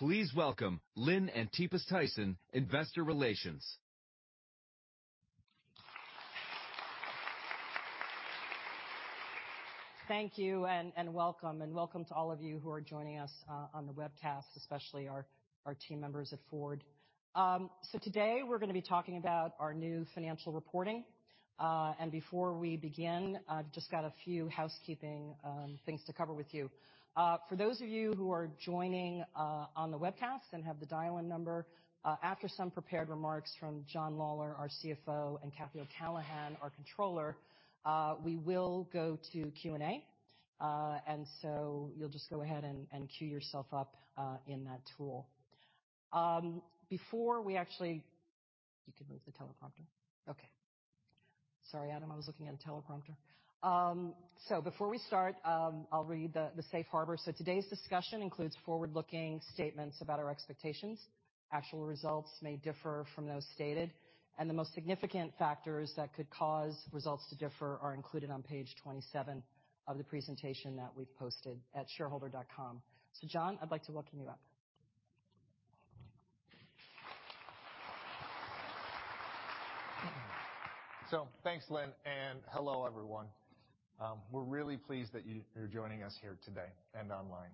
Please welcome Lynn Antipas Tyson, Investor Relations. Thank you, and welcome. Welcome to all of you who are joining us on the webcast, especially our team members at Ford. Today we're gonna be talking about our new financial reporting. Before we begin, I've just got a few housekeeping things to cover with you. For those of you who are joining on the webcast and have the dial-in number, after some prepared remarks from John Lawler, our CFO, and Cathy O'Callaghan, our Controller, we will go to Q&A. You'll just go ahead and queue yourself up in that tool. Before we actually... You can move the teleprompter. Okay. Sorry, Adam, I was looking at a teleprompter. Before we start, I'll read the safe harbor. Today's discussion includes forward-looking statements about our expectations. Actual results may differ from those stated. The most significant factors that could cause results to differ are included on page 27 of the presentation that we've posted at shareholder.ford.com. John, I'd like to welcome you up. Thanks, Lynn, and hello, everyone. We're really pleased that you are joining us here today and online.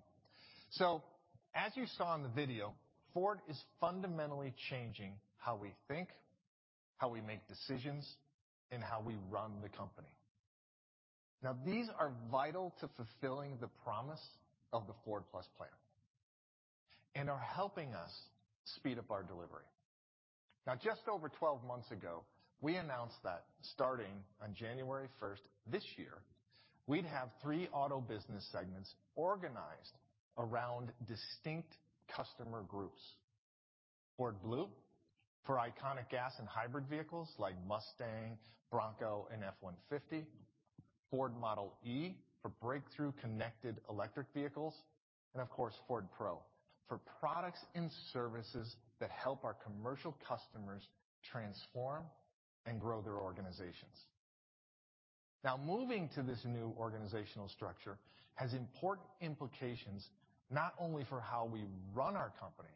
As you saw in the video, Ford is fundamentally changing how we think, how we make decisions, and how we run the company. These are vital to fulfilling the promise of the Ford+ plan and are helping us speed up our delivery. Just over 12 months ago, we announced that starting on January first this year, we'd have three auto business segments organized around distinct customer groups. Ford Blue for iconic gas and hybrid vehicles like Mustang, Bronco, and F-150. Ford Model e for breakthrough connected electric vehicles. Of course, Ford Pro for products and services that help our commercial customers transform and grow their organizations. Moving to this new organizational structure has important implications not only for how we run our company,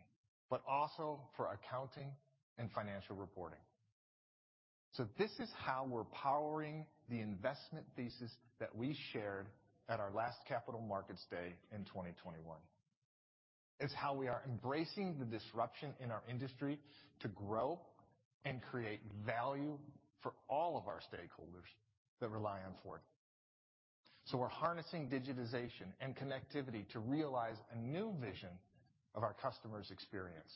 but also for accounting and financial reporting. This is how we're powering the investment thesis that we shared at our last Capital Markets Day in 2021. It's how we are embracing the disruption in our industry to grow and create value for all of our stakeholders that rely on Ford. We're harnessing digitization and connectivity to realize a new vision of our customers' experience,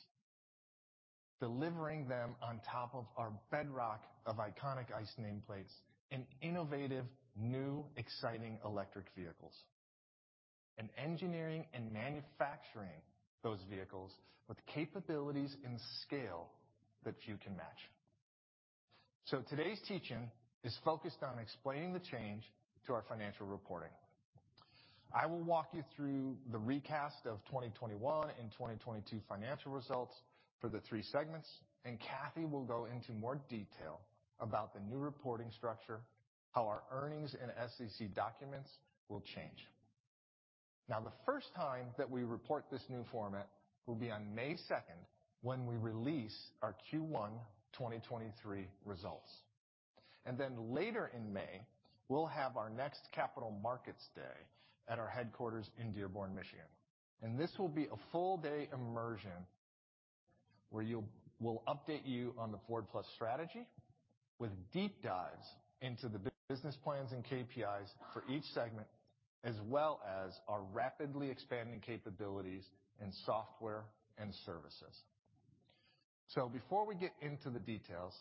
delivering them on top of our bedrock of iconic ICE nameplates and innovative, new, exciting electric vehicles, and engineering and manufacturing those vehicles with capabilities and scale that few can match. Today's teaching is focused on explaining the change to our financial reporting. I will walk you through the recast of 2021 and 2022 financial results for the three segments, Cathy will go into more detail about the new reporting structure, how our earnings and SEC documents will change. The first time that we report this new format will be on May 2nd when we release our Q1 2023 results. Later in May, we'll have our next Capital Markets Day at our headquarters in Dearborn, Michigan. This will be a full day immersion where we'll update you on the Ford+ strategy with deep dives into the business plans and KPIs for each segment, as well as our rapidly expanding capabilities in software and services. Before we get into the details,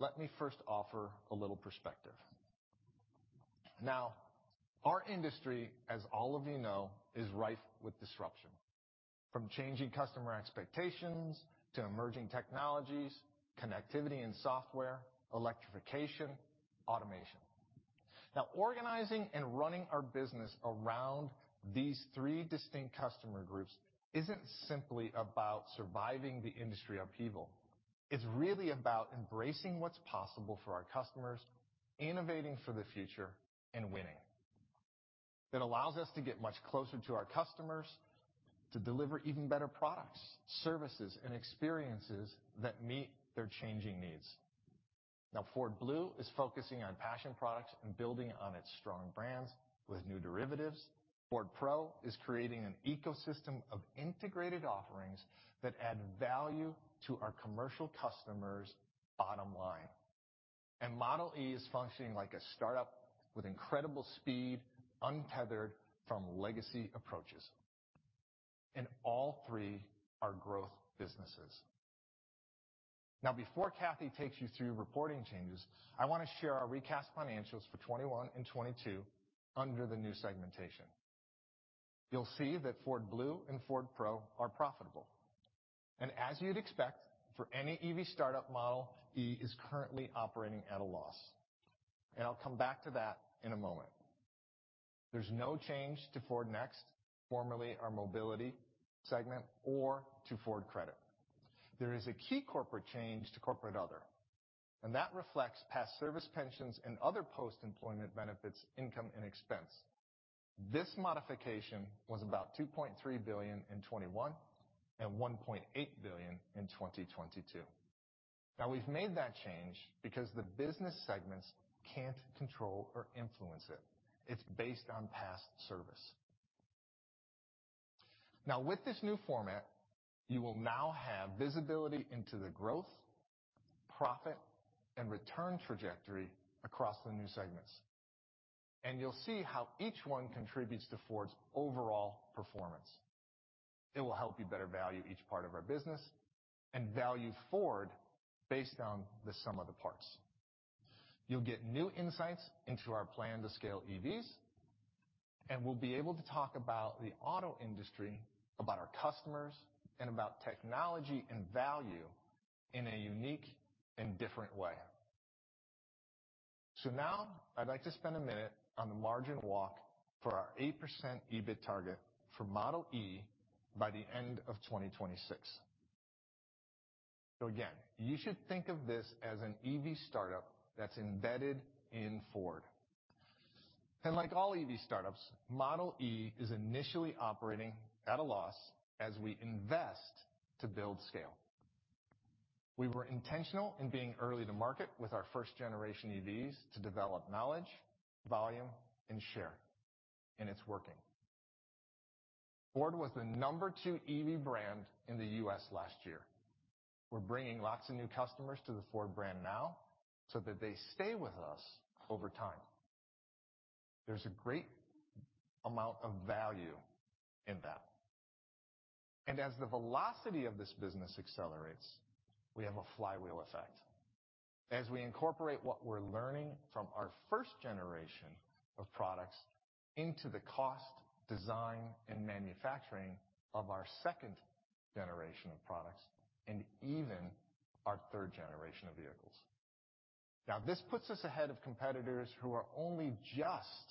let me first offer a little perspective. Our industry, as all of you know, is rife with disruption. From changing customer expectations to emerging technologies, connectivity and software, electrification, automation. Organizing and running our business around these three distinct customer groups isn't simply about surviving the industry upheaval. It's really about embracing what's possible for our customers, innovating for the future, and winning. It allows us to get much closer to our customers to deliver even better products, services, and experiences that meet their changing needs. Ford Blue is focusing on passion products and building on its strong brands with new derivatives. Ford Pro is creating an ecosystem of integrated offerings that add value to our commercial customers' bottom line. Model e is functioning like a startup with incredible speed, untethered from legacy approaches. All three are growth businesses. Before Cathy takes you through reporting changes, I wanna share our recast financials for 21 and 22 under the new segmentation. You'll see that Ford Blue and Ford Pro are profitable. As you'd expect for any EV startup, Model e is currently operating at a loss. I'll come back to that in a moment. There's no change to Ford Next, formerly our mobility segment or to Ford Credit. There is a key corporate change to corporate other, and that reflects past service pensions and other post-employment benefits, income, and expense. This modification was about $2.3 billion in 2021 and $1.8 billion in 2022. We've made that change because the business segments can't control or influence it. It's based on past service. With this new format, you will now have visibility into the growth, profit, and return trajectory across the new segments. You'll see how each one contributes to Ford's overall performance. It will help you better value each part of our business and value Ford based on the sum-of-the-parts. You'll get new insights into our plan to scale EVs, and we'll be able to talk about the auto industry, about our customers, and about technology and value in a unique and different way. Now I'd like to spend a minute on the margin walk for our 8% EBIT target for Model e by the end of 2026. Again, you should think of this as an EV startup that's embedded in Ford. Like all EV startups, Model e is initially operating at a loss as we invest to build scale. We were intentional in being early to market with our first generation EVs to develop knowledge, volume, and share. It's working. Ford was the number two EV brand in the U.S. last year. We're bringing lots of new customers to the Ford now so that they stay with us over time. There's a great amount of value in that. As the velocity of this business accelerates, we have a flywheel effect. As we incorporate what we're learning from our first generation of products into the cost, design, and manufacturing of our second generation of products, and even our third generation of vehicles. This puts us ahead of competitors who are only just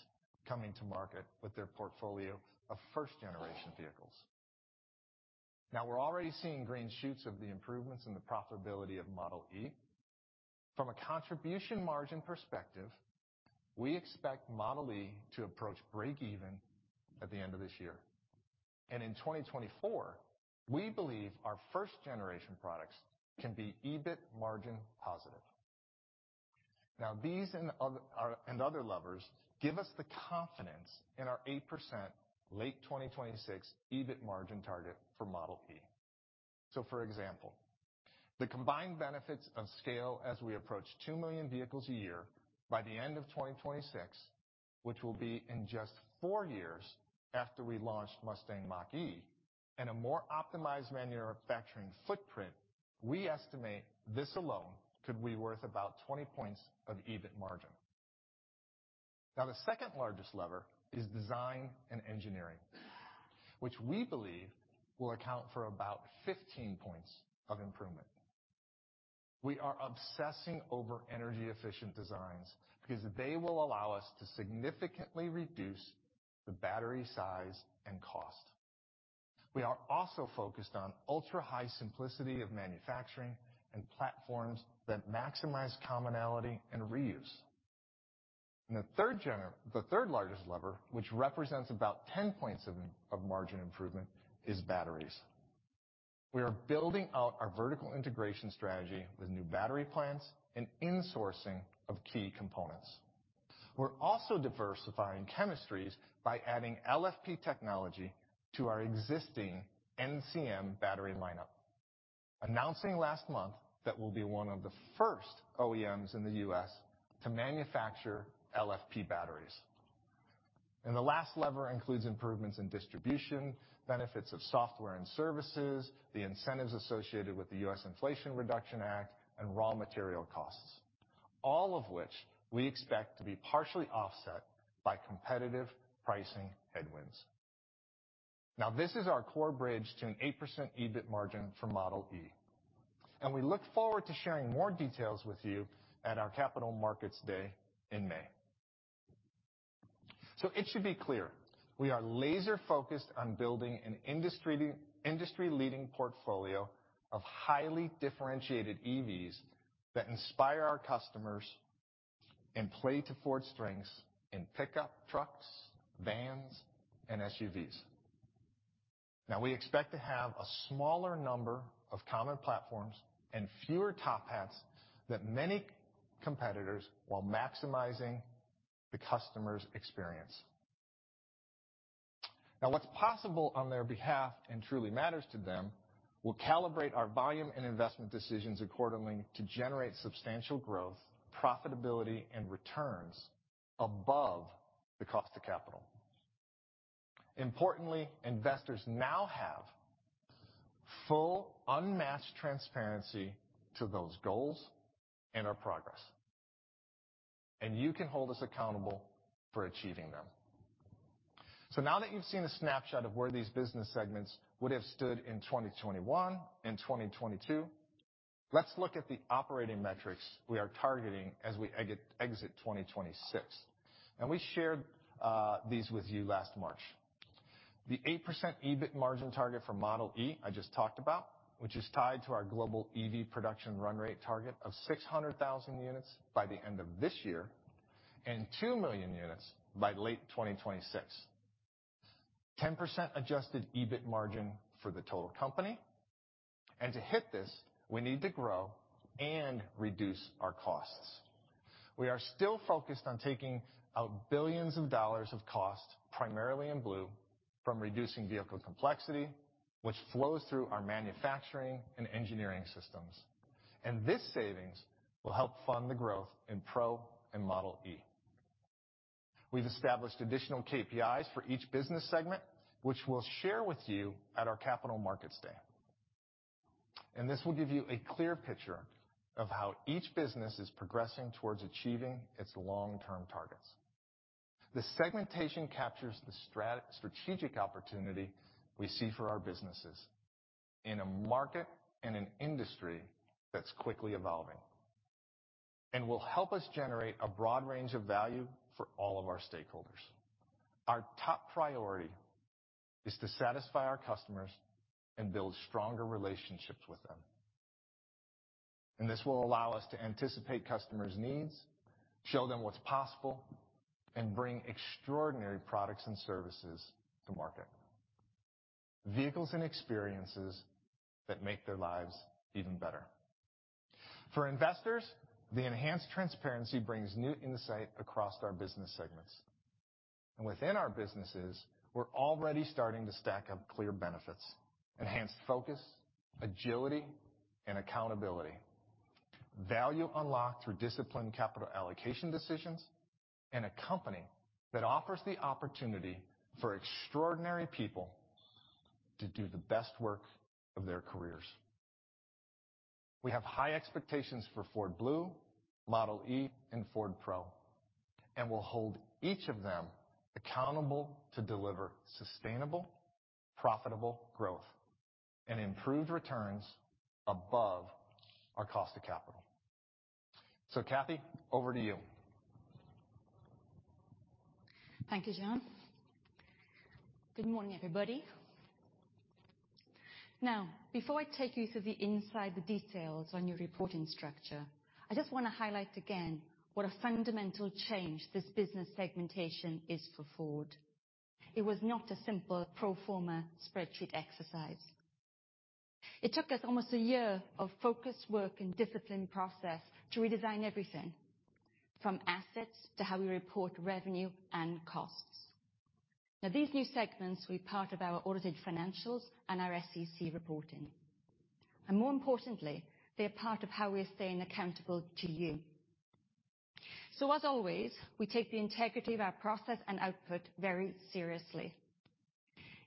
coming to market with their portfolio of first-generation vehicles. We're already seeing green shoots of the improvements in the profitability of Ford Model e. From a contribution margin perspective, we expect Ford Model e to approach breakeven at the end of this year. In 2024, we believe our first generation products can be EBIT margin positive. These and other levers give us the confidence in our 8% late 2026 EBIT margin target for Model e. For example, the combined benefits of scale as we approach 2 million vehicles a year by the end of 2026, which will be in just four years after we launched Mustang Mach-E and a more optimized manufacturing footprint, we estimate this alone could be worth about 20 points of EBIT margin. The second-largest lever is design and engineering, which we believe will account for about 15 points of improvement. We are obsessing over energy-efficient designs because they will allow us to significantly reduce the battery size and cost. We are also focused on ultra-high simplicity of manufacturing and platforms that maximize commonality and reuse. The third-largest lever, which represents about 10 points of margin improvement, is batteries. We are building out our vertical integration strategy with new battery plants and insourcing of key components. We're also diversifying chemistries by adding LFP technology to our existing NCM battery lineup. Announcing last month that we'll be one of the first OEMs in the U.S. to manufacture LFP batteries. The last lever includes improvements in distribution, benefits of software and services, the incentives associated with the U.S. Inflation Reduction Act, and raw material costs, all of which we expect to be partially offset by competitive pricing headwinds. This is our core bridge to an 8% EBIT margin for Model e, and we look forward to sharing more details with you at our Capital Markets Day in May. It should be clear, we are laser-focused on building an industry-leading portfolio of highly differentiated EVs that inspire our customers and play to Ford's strengths in pickup trucks, vans, and SUVs. We expect to have a smaller number of common platforms and fewer top hats than many competitors while maximizing the customer's experience. What's possible on their behalf and truly matters to them will calibrate our volume and investment decisions accordingly to generate substantial growth, profitability, and returns above the cost of capital. Importantly, investors now have full, unmatched transparency to those goals and our progress, and you can hold us accountable for achieving them. Now that you've seen a snapshot of where these business segments would have stood in 2021 and 2022, let's look at the operating metrics we are targeting as we exit 2026. We shared these with you last March. The 8% EBIT margin target for Model e, I just talked about, which is tied to our global EV production run rate target of 600,000 units by the end of this year and 2 million units by late 2026. 10% adjusted EBIT margin for the total company. To hit this, we need to grow and reduce our costs. We are still focused on taking out billions of dollars of costs, primarily in Ford Blue, from reducing vehicle complexity, which flows through our manufacturing and engineering systems. This savings will help fund the growth in Ford Pro and Model e. We've established additional KPIs for each business segment, which we'll share with you at our Capital Markets Day. This will give you a clear picture of how each business is progressing towards achieving its long-term targets. The segmentation captures the strategic opportunity we see for our businesses in a market and an industry that's quickly evolving and will help us generate a broad range of value for all of our stakeholders. Our top priority is to satisfy our customers and build stronger relationships with them. This will allow us to anticipate customers' needs, show them what's possible, and bring extraordinary products and services to market. Vehicles and experiences that make their lives even better. For investors, the enhanced transparency brings new insight across our business segments. Within our businesses, we're already starting to stack up clear benefits, enhanced focus, agility, and accountability, value unlocked through disciplined capital allocation decisions, and a company that offers the opportunity for extraordinary people to do the best work of their careers. We have high expectations for Ford Blue, Model e, and Ford Pro, and we'll hold each of them accountable to deliver sustainable, profitable growth and improved returns above our cost of capital. Cathy, over to you. Thank you, John. Good morning, everybody. Before I take you through the inside, the details on your reporting structure, I just wanna highlight again what a fundamental change this business segmentation is for Ford. It was not a simple pro forma spreadsheet exercise. It took us almost a year of focused work and disciplined process to redesign everything, from assets to how we report revenue and costs. These new segments will be part of our audited financials and our SEC reporting. More importantly, they're part of how we're staying accountable to you. As always, we take the integrity of our process and output very seriously.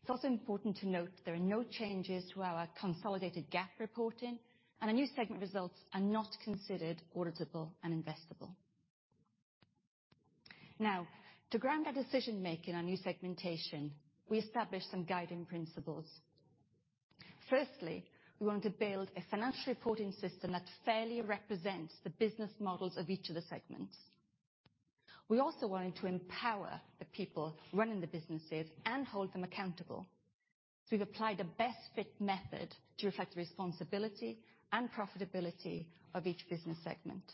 It's also important to note there are no changes to our consolidated GAAP reporting, and our new segment results are not considered auditable and investable. To ground our decision-making on new segmentation, we established some guiding principles. Firstly, we want to build a financial reporting system that fairly represents the business models of each of the segments. We also wanted to empower the people running the businesses and hold them accountable to apply the best fit method to reflect the responsibility and profitability of each business segment.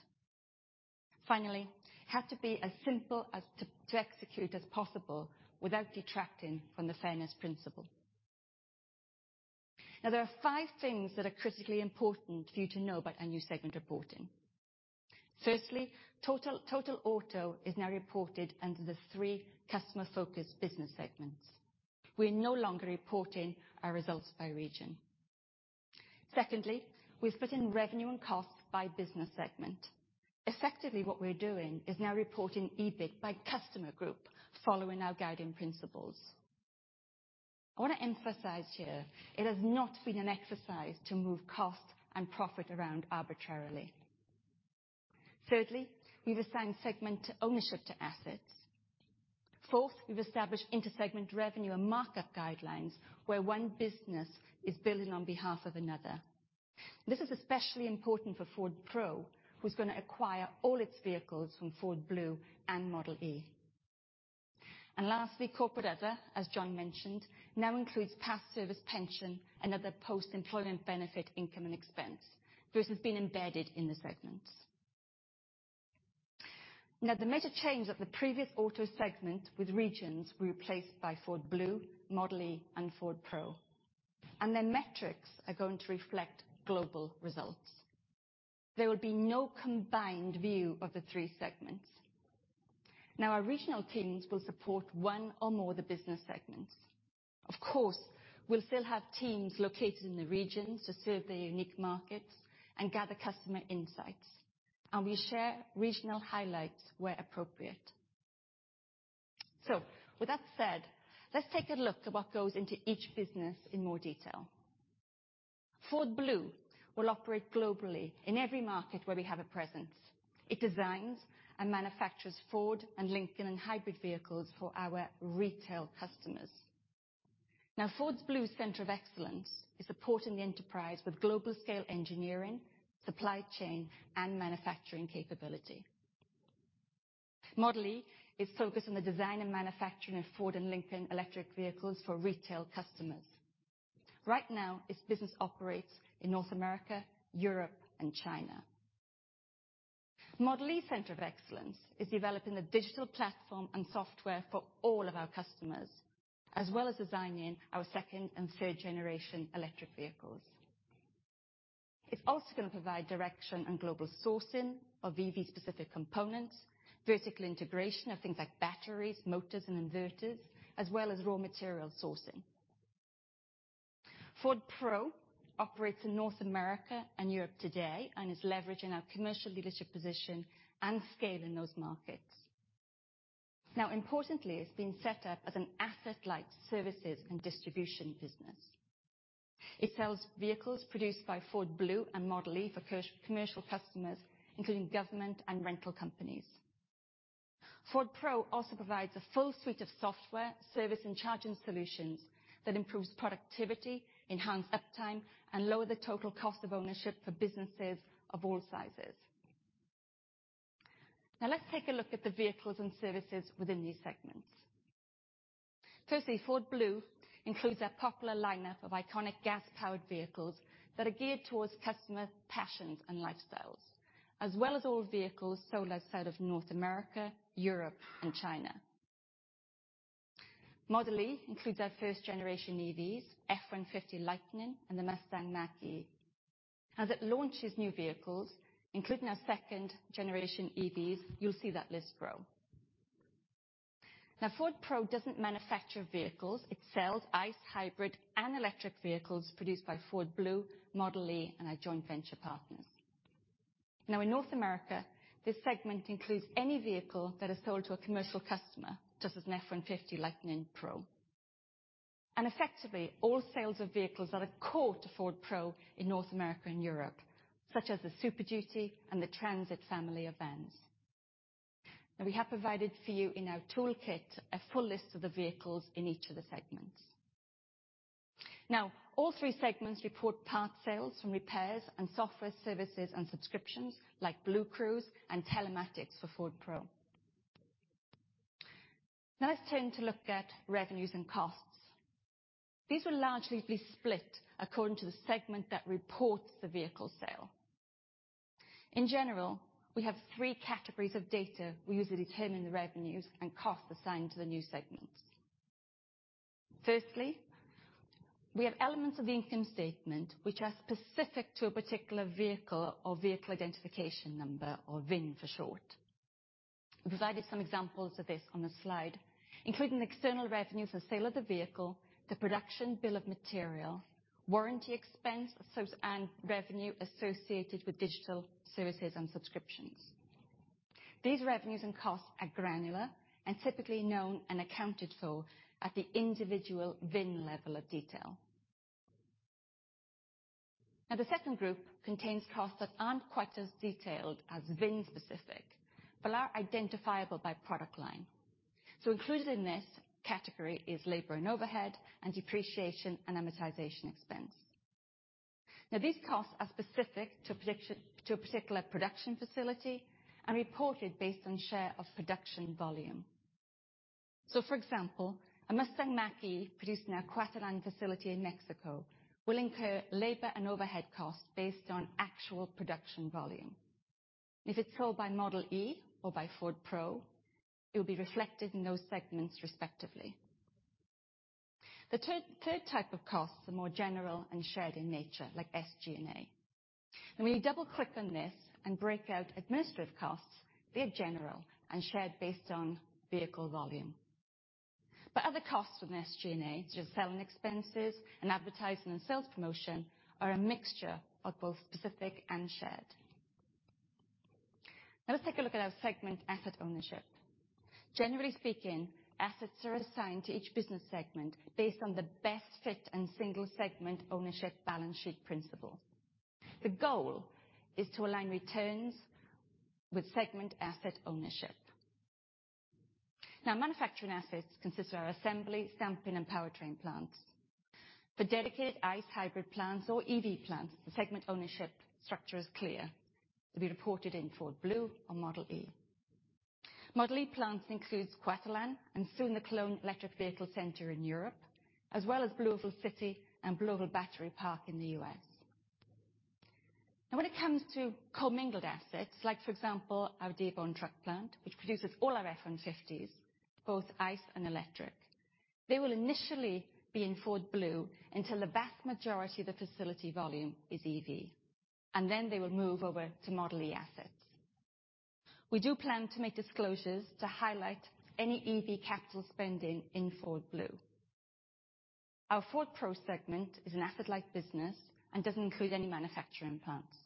Finally, it had to be as simple as to execute as possible without detracting from the fairness principle. Now, there are five things that are critically important for you to know about our new segment reporting. Firstly, total auto is now reported under the three customer focused business segments. We're no longer reporting our results by region. Secondly, we've put in revenue and cost by business segment. Effectively, what we're doing is now reporting EBIT by customer group following our guiding principles. I wanna emphasize here, it has not been an exercise to move cost and profit around arbitrarily. Thirdly, we've assigned segment ownership to assets. Fourth, we've established inter-segment revenue and markup guidelines where one business is billing on behalf of another. This is especially important for Ford Pro, who's gonna acquire all its vehicles from Ford Blue and Model e. Lastly, corporate other, as John mentioned, now includes past service pension and other post-employment benefit income and expense versus being embedded in the segments. The major change of the previous auto segment with regions were replaced by Ford Blue, Model e, and Ford Pro, and their metrics are going to reflect global results. There will be no combined view of the three segments. Our regional teams will support one or more of the business segments. We'll still have teams located in the regions to serve their unique markets and gather customer insights, and we share regional highlights where appropriate. With that said, let's take a look at what goes into each business in more detail. Ford Blue will operate globally in every market where we have a presence. It designs and manufactures Ford and Lincoln and hybrid vehicles for our retail customers. Ford's Blue Center of Excellence is supporting the enterprise with global scale engineering, supply chain, and manufacturing capability. Model e is focused on the design and manufacturing of Ford and Lincoln electric vehicles for retail customers. Right now, this business operates in North America, Europe, and China. Model e Center of Excellence is developing the digital platform and software for all of our customers, as well as designing our second and third generation electric vehicles. It's also gonna provide direction and global sourcing of EV specific components, vertical integration of things like batteries, motors, and inverters, as well as raw material sourcing. Ford Pro operates in North America and Europe today and is leveraging our commercial leadership position and scale in those markets. Now, importantly, it's been set up as an asset-light services and distribution business. It sells vehicles produced by Ford Blue and Model e for commercial customers, including government and rental companies. Ford Pro also provides a full suite of software, service, and charging solutions that improves productivity, enhance uptime, and lower the total cost of ownership for businesses of all sizes. Now let's take a look at the vehicles and services within these segments. Firstly, Ford Blue includes our popular lineup of iconic gas-powered vehicles that are geared towards customer passions and lifestyles, as well as all vehicles sold outside of North America, Europe, and China. Model e includes our first generation EVs, F-150 Lightning and the Mustang Mach-E. As it launches new vehicles, including our second generation EVs, you'll see that list grow. Ford Pro doesn't manufacture vehicles. It sells ICE hybrid and electric vehicles produced by Ford Blue, Model e, and our joint venture partners. In North America, this segment includes any vehicle that is sold to a commercial customer, such as an F-150 Lightning Pro. Effectively, all sales of vehicles are the core to Ford Pro in North America and Europe, such as the Super Duty and the Transit family of vans. We have provided for you in our toolkit a full list of the vehicles in each of the segments. All 3 segments report parts sales from repairs and software services and subscriptions like BlueCruise and Telematics for Ford Pro. Let's turn to look at revenues and costs. These will largely be split according to the segment that reports the vehicle sale. In general, we have 3 categories of data we use to determine the revenues and cost assigned to the new segments. Firstly, we have elements of the income statement which are specific to a particular vehicle or vehicle identification number or VIN for short. We've provided some examples of this on the slide, including external revenues for sale of the vehicle, the production bill of material, warranty expense, and revenue associated with digital services and subscriptions. These revenues and costs are granular and typically known and accounted for at the individual VIN level of detail. The second group contains costs that aren't quite as detailed as VIN-specific, but are identifiable by product line. Included in this category is labor and overhead and depreciation and amortization expense. These costs are specific to a particular production facility and reported based on share of production volume. For example, a Mustang Mach-E produced in our Cuautitlan facility in Mexico will incur labor and overhead costs based on actual production volume. If it's sold by Model E or by Ford Pro, it will be reflected in those segments respectively. The third type of costs are more general and shared in nature, like SG&A. When you double-click on this and break out administrative costs, they're general and shared based on vehicle volume. Other costs from SG&A, such as selling expenses and advertising and sales promotion, are a mixture of both specific and shared. Let's take a look at our segment asset ownership. Generally speaking, assets are assigned to each business segment based on the best fit and single segment ownership balance sheet principle. The goal is to align returns with segment asset ownership. Manufacturing assets consist of our assembly, stamping, and powertrain plants. For dedicated ICE hybrid plants or EV plants, the segment ownership structure is clear. They'll be reported in Ford Blue or Model e. Model e plants includes Cuautitlán and soon the Cologne Electric Vehicle Center in Europe, as well as BlueOval City and BlueOval Battery Park in the U.S. When it comes to commingled assets, like for example, our Dearborn Truck Plant, which produces all our F-150s, both ICE and electric, they will initially be in Ford Blue until the vast majority of the facility volume is EV, and then they will move over to Model E assets. We do plan to make disclosures to highlight any EV capital spending in Ford Blue. Our Ford Pro segment is an asset-light business and doesn't include any manufacturing plants.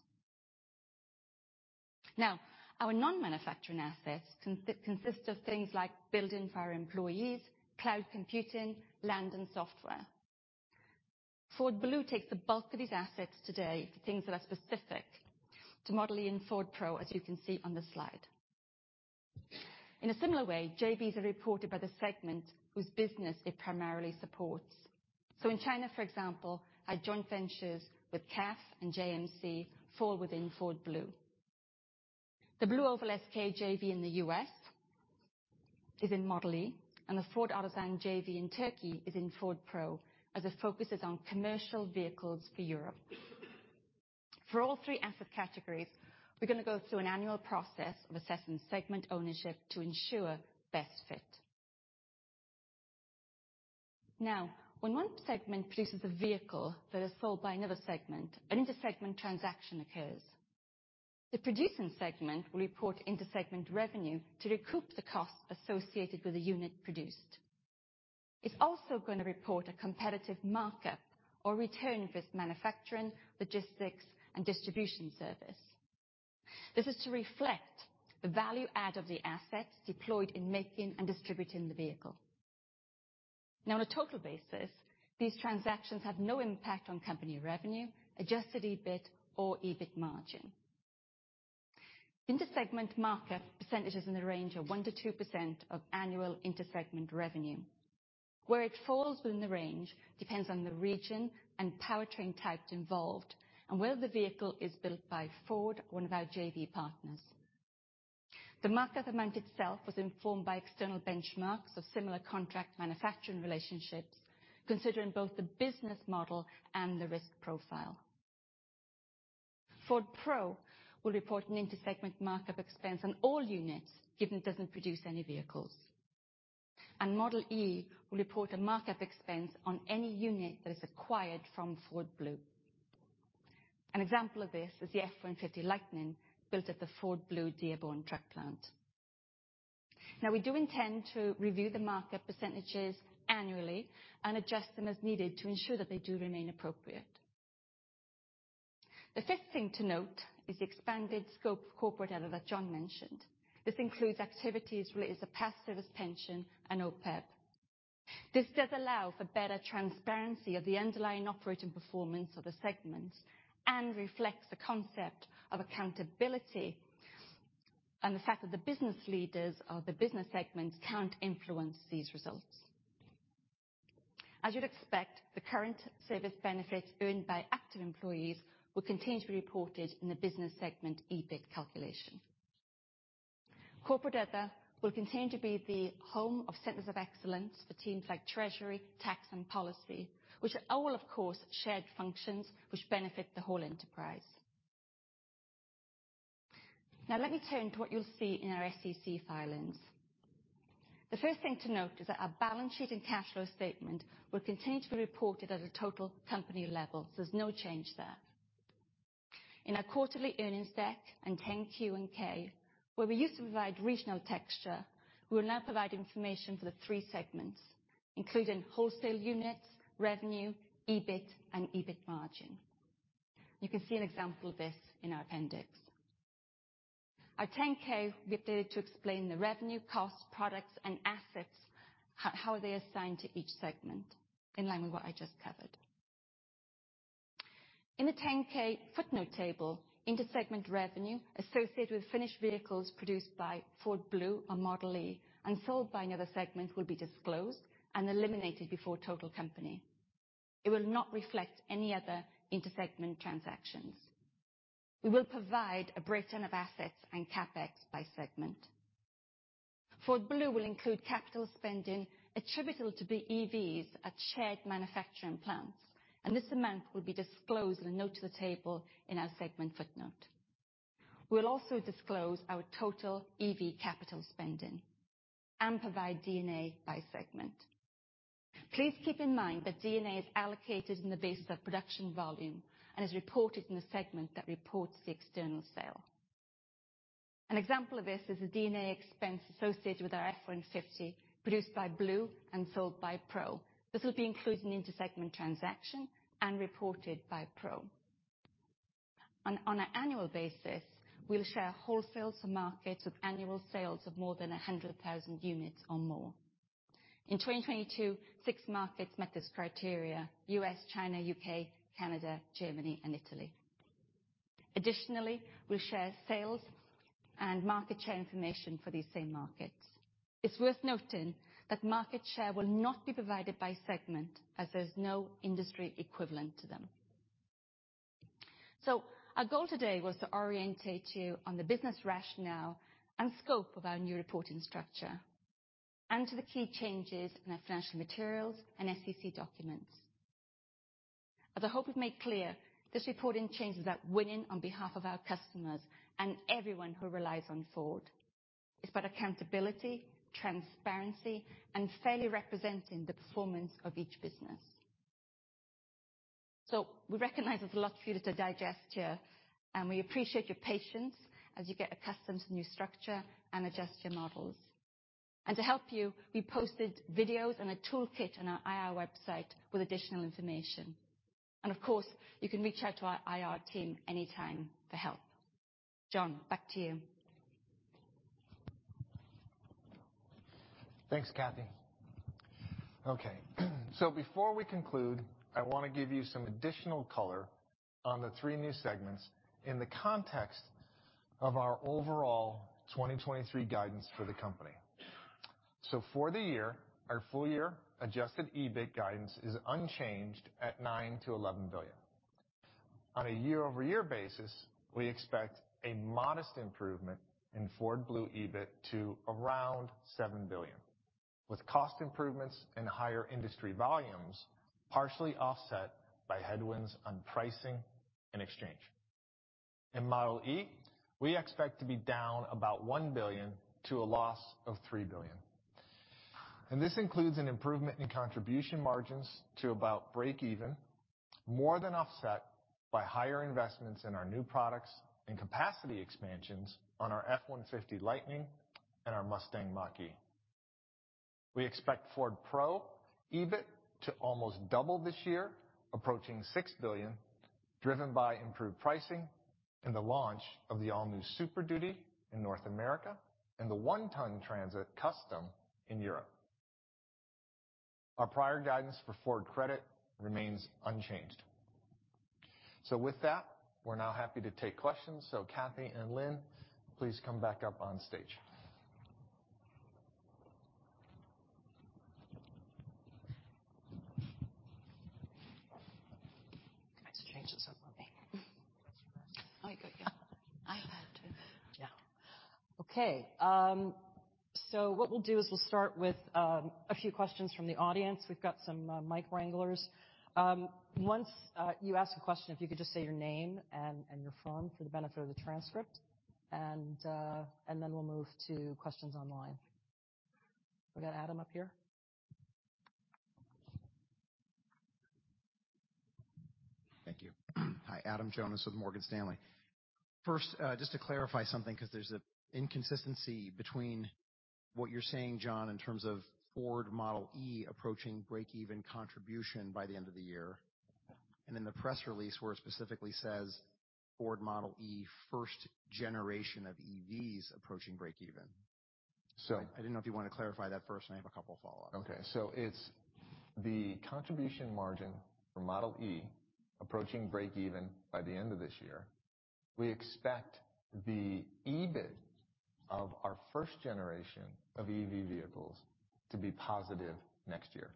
Our non-manufacturing assets consist of things like building for our employees, cloud computing, land, and software. Ford Blue takes the bulk of these assets today for things that are specific to Model E and Ford Pro, as you can see on the slide. In a similar way, JVs are reported by the segment whose business it primarily supports. In China, for example, our joint ventures with CAF and JMC fall within Ford Blue. The BlueOval SK JV in the US is in Model E, and the Ford Otosan JV in Turkey is in Ford Pro, as it focuses on commercial vehicles for Europe. For all three asset categories, we're going to go through an annual process of assessing segment ownership to ensure best fit. When one segment produces a vehicle that is sold by another segment, an inter-segment transaction occurs. The producing segment will report inter-segment revenue to recoup the costs associated with the unit produced. It's also going to report a competitive markup or return of this manufacturing, logistics, and distribution service. This is to reflect the value add of the assets deployed in making and distributing the vehicle. On a total basis, these transactions have no impact on company revenue, adjusted EBIT or EBIT margin. Inter-segment markup percentages in the range of 1%-2% of annual inter-segment revenue. Where it falls within the range depends on the region and powertrain type involved, and whether the vehicle is built by Ford or one of our JV partners. The markup amount itself was informed by external benchmarks of similar contract manufacturing relationships, considering both the business model and the risk profile. Ford Pro will report an inter-segment markup expense on all units, given it doesn't produce any vehicles. Model E will report a markup expense on any unit that is acquired from Ford Blue. An example of this is the F-150 Lightning built at the Ford Blue Dearborn Truck Plant. We do intend to review the market percentages annually and adjust them as needed to ensure that they do remain appropriate. The fifth thing to note is the expanded scope of corporate EBIT that John mentioned. This includes activities related to past service pension and OPEB. This does allow for better transparency of the underlying operating performance of a segment and reflects the concept of accountability and the fact that the business leaders of the business segments can't influence these results. As you'd expect, the current service benefits earned by active employees will continue to be reported in the business segment EBIT calculation. Corporate other will continue to be the home of centers of excellence for teams like treasury, tax, and policy, which are all, of course, shared functions which benefit the whole enterprise. Let me turn to what you'll see in our SEC filings. The first thing to note is that our balance sheet and cash flow statement will continue to be reported at a total company level. There's no change there. In our quarterly earnings deck and 10-Q and 10-K, where we used to provide regional texture, we will now provide information for the three segments, including wholesale units, revenue, EBIT, and EBIT margin. You can see an example of this in our appendix. Our 10-K will be able to explain the revenue, cost, products, and assets, how they are assigned to each segment in line with what I just covered. In the 10-K footnote table, inter-segment revenue associated with finished vehicles produced by Ford Blue or Model E and sold by another segment will be disclosed and eliminated before total company. It will not reflect any other inter-segment transactions. We will provide a breakdown of assets and CapEx by segment. Ford Blue will include capital spending attributable to the EVs at shared manufacturing plants, and this amount will be disclosed in a note to the table in our segment footnote. We'll also disclose our total EV capital spending and provide D&A by segment. Please keep in mind that D&A is allocated on the basis of production volume and is reported in the segment that reports the external sale. An example of this is the D&A expense associated with our F-150 produced by Blue and sold by Pro. This will be included in inter-segment transaction and reported by Pro. On an annual basis, we'll share wholesale to markets with annual sales of more than 100,000 units or more. In 2022, six markets met this criteria: US, China, UK, Canada, Germany, and Italy. Additionally, we'll share sales and market share information for these same markets. It's worth noting that market share will not be provided by segment as there's no industry equivalent to them. Our goal today was to orientate you on the business rationale and scope of our new reporting structure and to the key changes in our financial materials and SEC documents. As I hope we've made clear, this reporting change is about winning on behalf of our customers and everyone who relies on Ford. It's about accountability, transparency, and fairly representing the performance of each business. We recognize there's a lot for you to digest here, and we appreciate your patience as you get accustomed to new structure and adjust your models. To help you, we posted videos and a toolkit on our IR website with additional information. Of course, you can reach out to our IR team anytime for help. John, back to you. Thanks, Cathy. Okay, before we conclude, I wanna give you some additional color on the three new segments in the context of our overall 2023 guidance for the company. For the year, our full year adjusted EBIT guidance is unchanged at $9 billion-$11 billion. On a year-over-year basis, we expect a modest improvement in Ford Blue EBIT to around $7 billion, with cost improvements and higher industry volumes partially offset by headwinds on pricing and exchange. In Ford Model e, we expect to be down about $1 billion to a loss of $3 billion. This includes an improvement in contribution margins to about break even, more than offset by higher investments in our new products and capacity expansions on our F-150 Lightning and our Mustang Mach-E. We expect Ford Pro EBIT to almost double this year, approaching $6 billion, driven by improved pricing and the launch of the all-new Super Duty in North America and the one-ton Transit Custom in Europe. Our prior guidance for Ford Credit remains unchanged. With that, we're now happy to take questions. Cathy and Lynn, please come back up on stage. You guys change this up on me. That's your mic. Oh, good. Yeah. Yeah. What we'll do is we'll start with a few questions from the audience. We've got some mic wranglers. Once you ask a question, if you could just say your name and your firm for the benefit of the transcript, and then we'll move to questions online. We got Adam up here. Thank you. Hi, Adam Jonas with Morgan Stanley. First, just to clarify something because there's an inconsistency between what you're saying, John, in terms of Ford Model e approaching break-even contribution by the end of the year, and in the press release where it specifically says Ford Model e first generation of EVs approaching break-even. So- I didn't know if you wanna clarify that first, and I have a couple follow-ups. It's the contribution margin for Model e approaching break even by the end of this year. We expect the EBIT of our first generation of EV vehicles to be positive next year.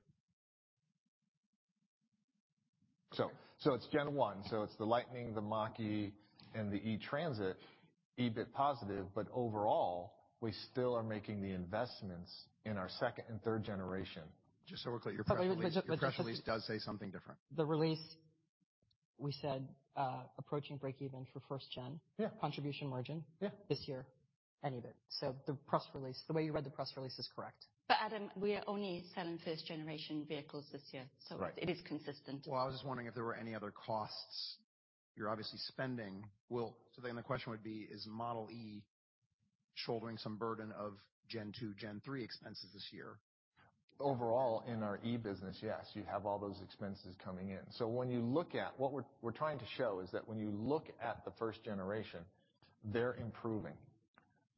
It's Gen 1, it's the Lightning, the Mach-E and the E-Transit, EBIT positive, overall, we still are making the investments in our second and third generation. Just so we're clear, your press release- wait, just. Your press release does say something different. The release we said, approaching break even for first Yeah. Contribution margin. Yeah. This year and EBIT. The press release, the way you read the press release is correct. Adam, we are only selling first generation vehicles this year. Right. It is consistent. Well, I was just wondering if there were any other costs you're obviously spending. Is Model e shouldering some burden of gen-2, gen-3 expenses this year? Overall in our E business, yes. You have all those expenses coming in. When you look at what we're trying to show is that when you look at the first generation, they're improving.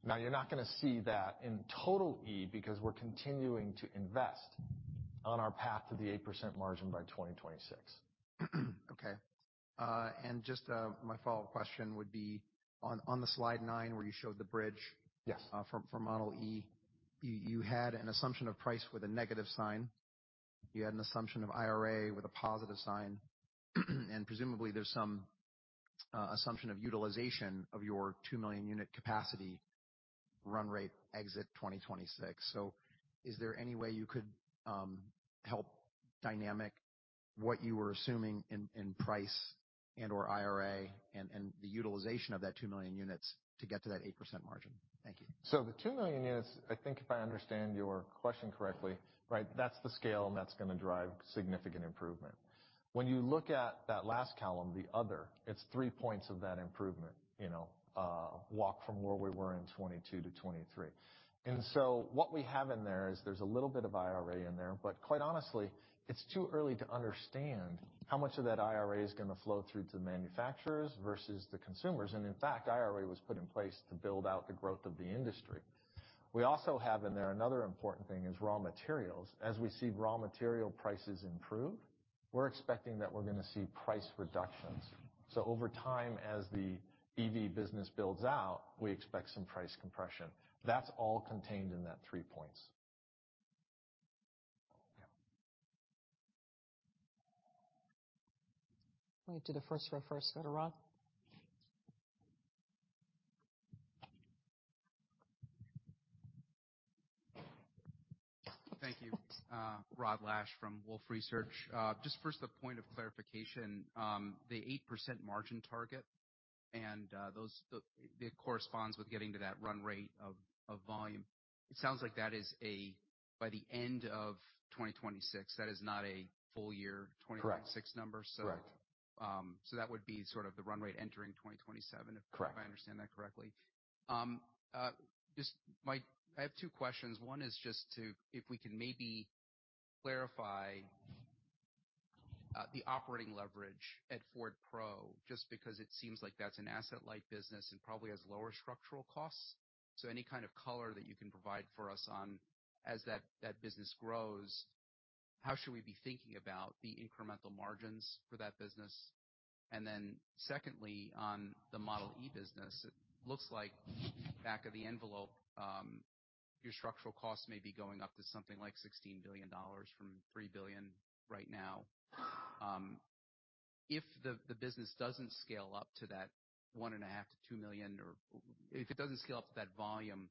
Now, you're not gonna see that in total E because we're continuing to invest on our path to the 8% margin by 2026. Okay. just, my follow-up question would be on the slide nine where you showed the bridge- Yes. for Ford Model e, you had an assumption of price with a negative sign. You had an assumption of IRA with a positive sign. Presumably there's some assumption of utilization of your 2 million unit capacity run rate exit 2026. Is there any way you could help dynamic what you were assuming in price and/or IRA and the utilization of that 2 million units to get to that 8% margin? Thank you. The 2 million is, I think if I understand your question correctly, right, that's the scale and that's gonna drive significant improvement. When you look at that last column, the other, it's three points of that improvement, you know, walk from where we were in 2022 to 2023. What we have in there is there's a little bit of IRA in there, but quite honestly, it's too early to understand how much of that IRA is gonna flow through to manufacturers versus the consumers and in fact, IRA was put in place to build out the growth of the industry. We also have in there another important thing is raw materials. As we see raw material prices improve, we're expecting that we're gonna see price reductions. Over time, as the EV business builds out, we expect some price compression. That's all contained in that three points. Yeah. We'll do the first row first. Go to Rod. Thank you. Rod Lache from Wolfe Research. Just first a point of clarification, the 8% margin target and, it corresponds with getting to that run rate of volume. It sounds like that is a by the end of 2026, that is not a full year- Correct. 2026 number Right. That would be sort of the run rate entering 2027. Correct. If I understand that correctly. I have two questions. One is just to, if we can maybe clarify the operating leverage at Ford Pro, just because it seems like that's an asset-like business and probably has lower structural costs. Any kind of color that you can provide for us on as that business grows, how should we be thinking about the incremental margins for that business? Secondly, on the Ford Model e business, it looks like back of the envelope, your structural costs may be going up to something like $16 billion from $3 billion right now. If the business doesn't scale up to that 1.5 million-2 million, or if it doesn't scale up to that volume,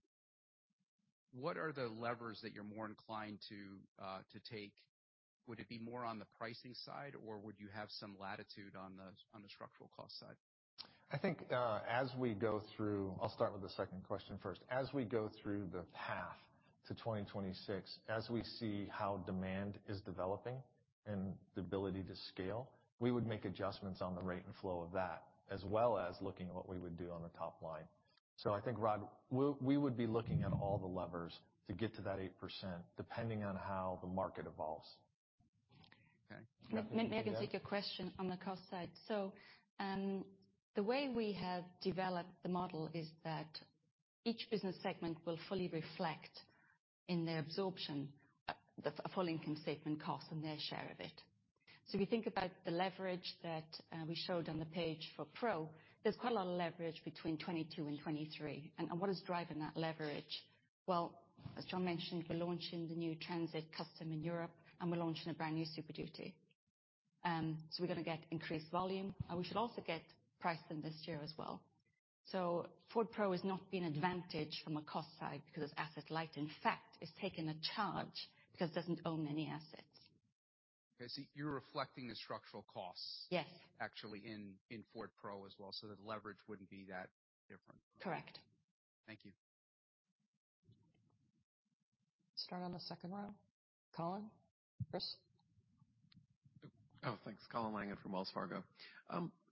what are the levers that you're more inclined to take? Would it be more on the pricing side, or would you have some latitude on the structural cost side? I think, I'll start with the second question first. As we go through the path to 2026, as we see how demand is developing and the ability to scale, we would make adjustments on the rate and flow of that, as well as looking at what we would do on the top line. I think, Rod, we would be looking at all the levers to get to that 8%, depending on how the market evolves. Okay. Megan- May I can take a question on the cost side. The way we have developed the model is that each business segment will fully reflect in their absorption, the a full income statement cost and their share of it. If you think about the leverage that, we showed on the page for Pro, there's quite a lot of leverage between 2022 and 2023. What is driving that leverage? Well, as John mentioned, we're launching the new Transit Custom in Europe, and we're launching a brand new Super Duty. We're gonna get increased volume, and we should also get pricing this year as well. Ford Pro has not been advantaged from a cost side because it's asset light. In fact, it's taken a charge because it doesn't own any assets. Okay. You're reflecting the structural costs- Yes. actually in Ford Pro as well, so the leverage wouldn't be that different. Correct. Thank you. Start on the second row. Colin, Chris. Oh, thanks. Colin Langan from Wells Fargo.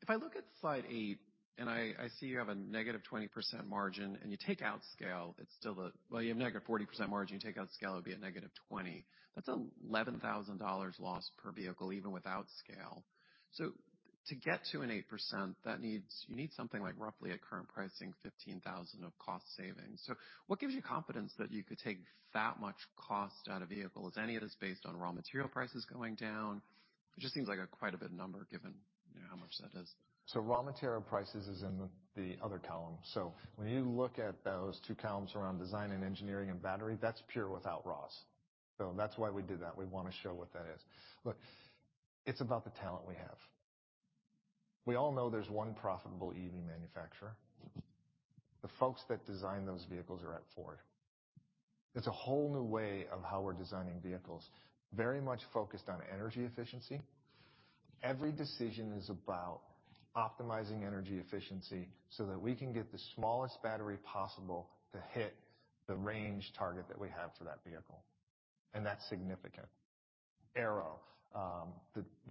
If I look at slide eight, and I see you have a -20% margin, and you take out scale, it's still a, well, you have -40% margin, you take out scale, it would be a -20%. That's $11,000 lost per vehicle, even without scale. To get to an 8%, you need something like roughly at current pricing, $15,000 of cost savings. What gives you confidence that you could take that much cost out of vehicles? Any of this based on raw material prices going down? It just seems like a quite a bit number given, you know, how much that is. Raw material prices is in the other column. When you look at those two columns around design and engineering and battery, that's pure without raws. That's why we did that. We wanna show what that is. Look, it's about the talent we have. We all know there's one profitable EV manufacturer. The folks that design those vehicles are at Ford. It's a whole new way of how we're designing vehicles, very much focused on energy efficiency. Every decision is about optimizing energy efficiency so that we can get the smallest battery possible to hit the range target that we have for that vehicle, and that's significant. Aero,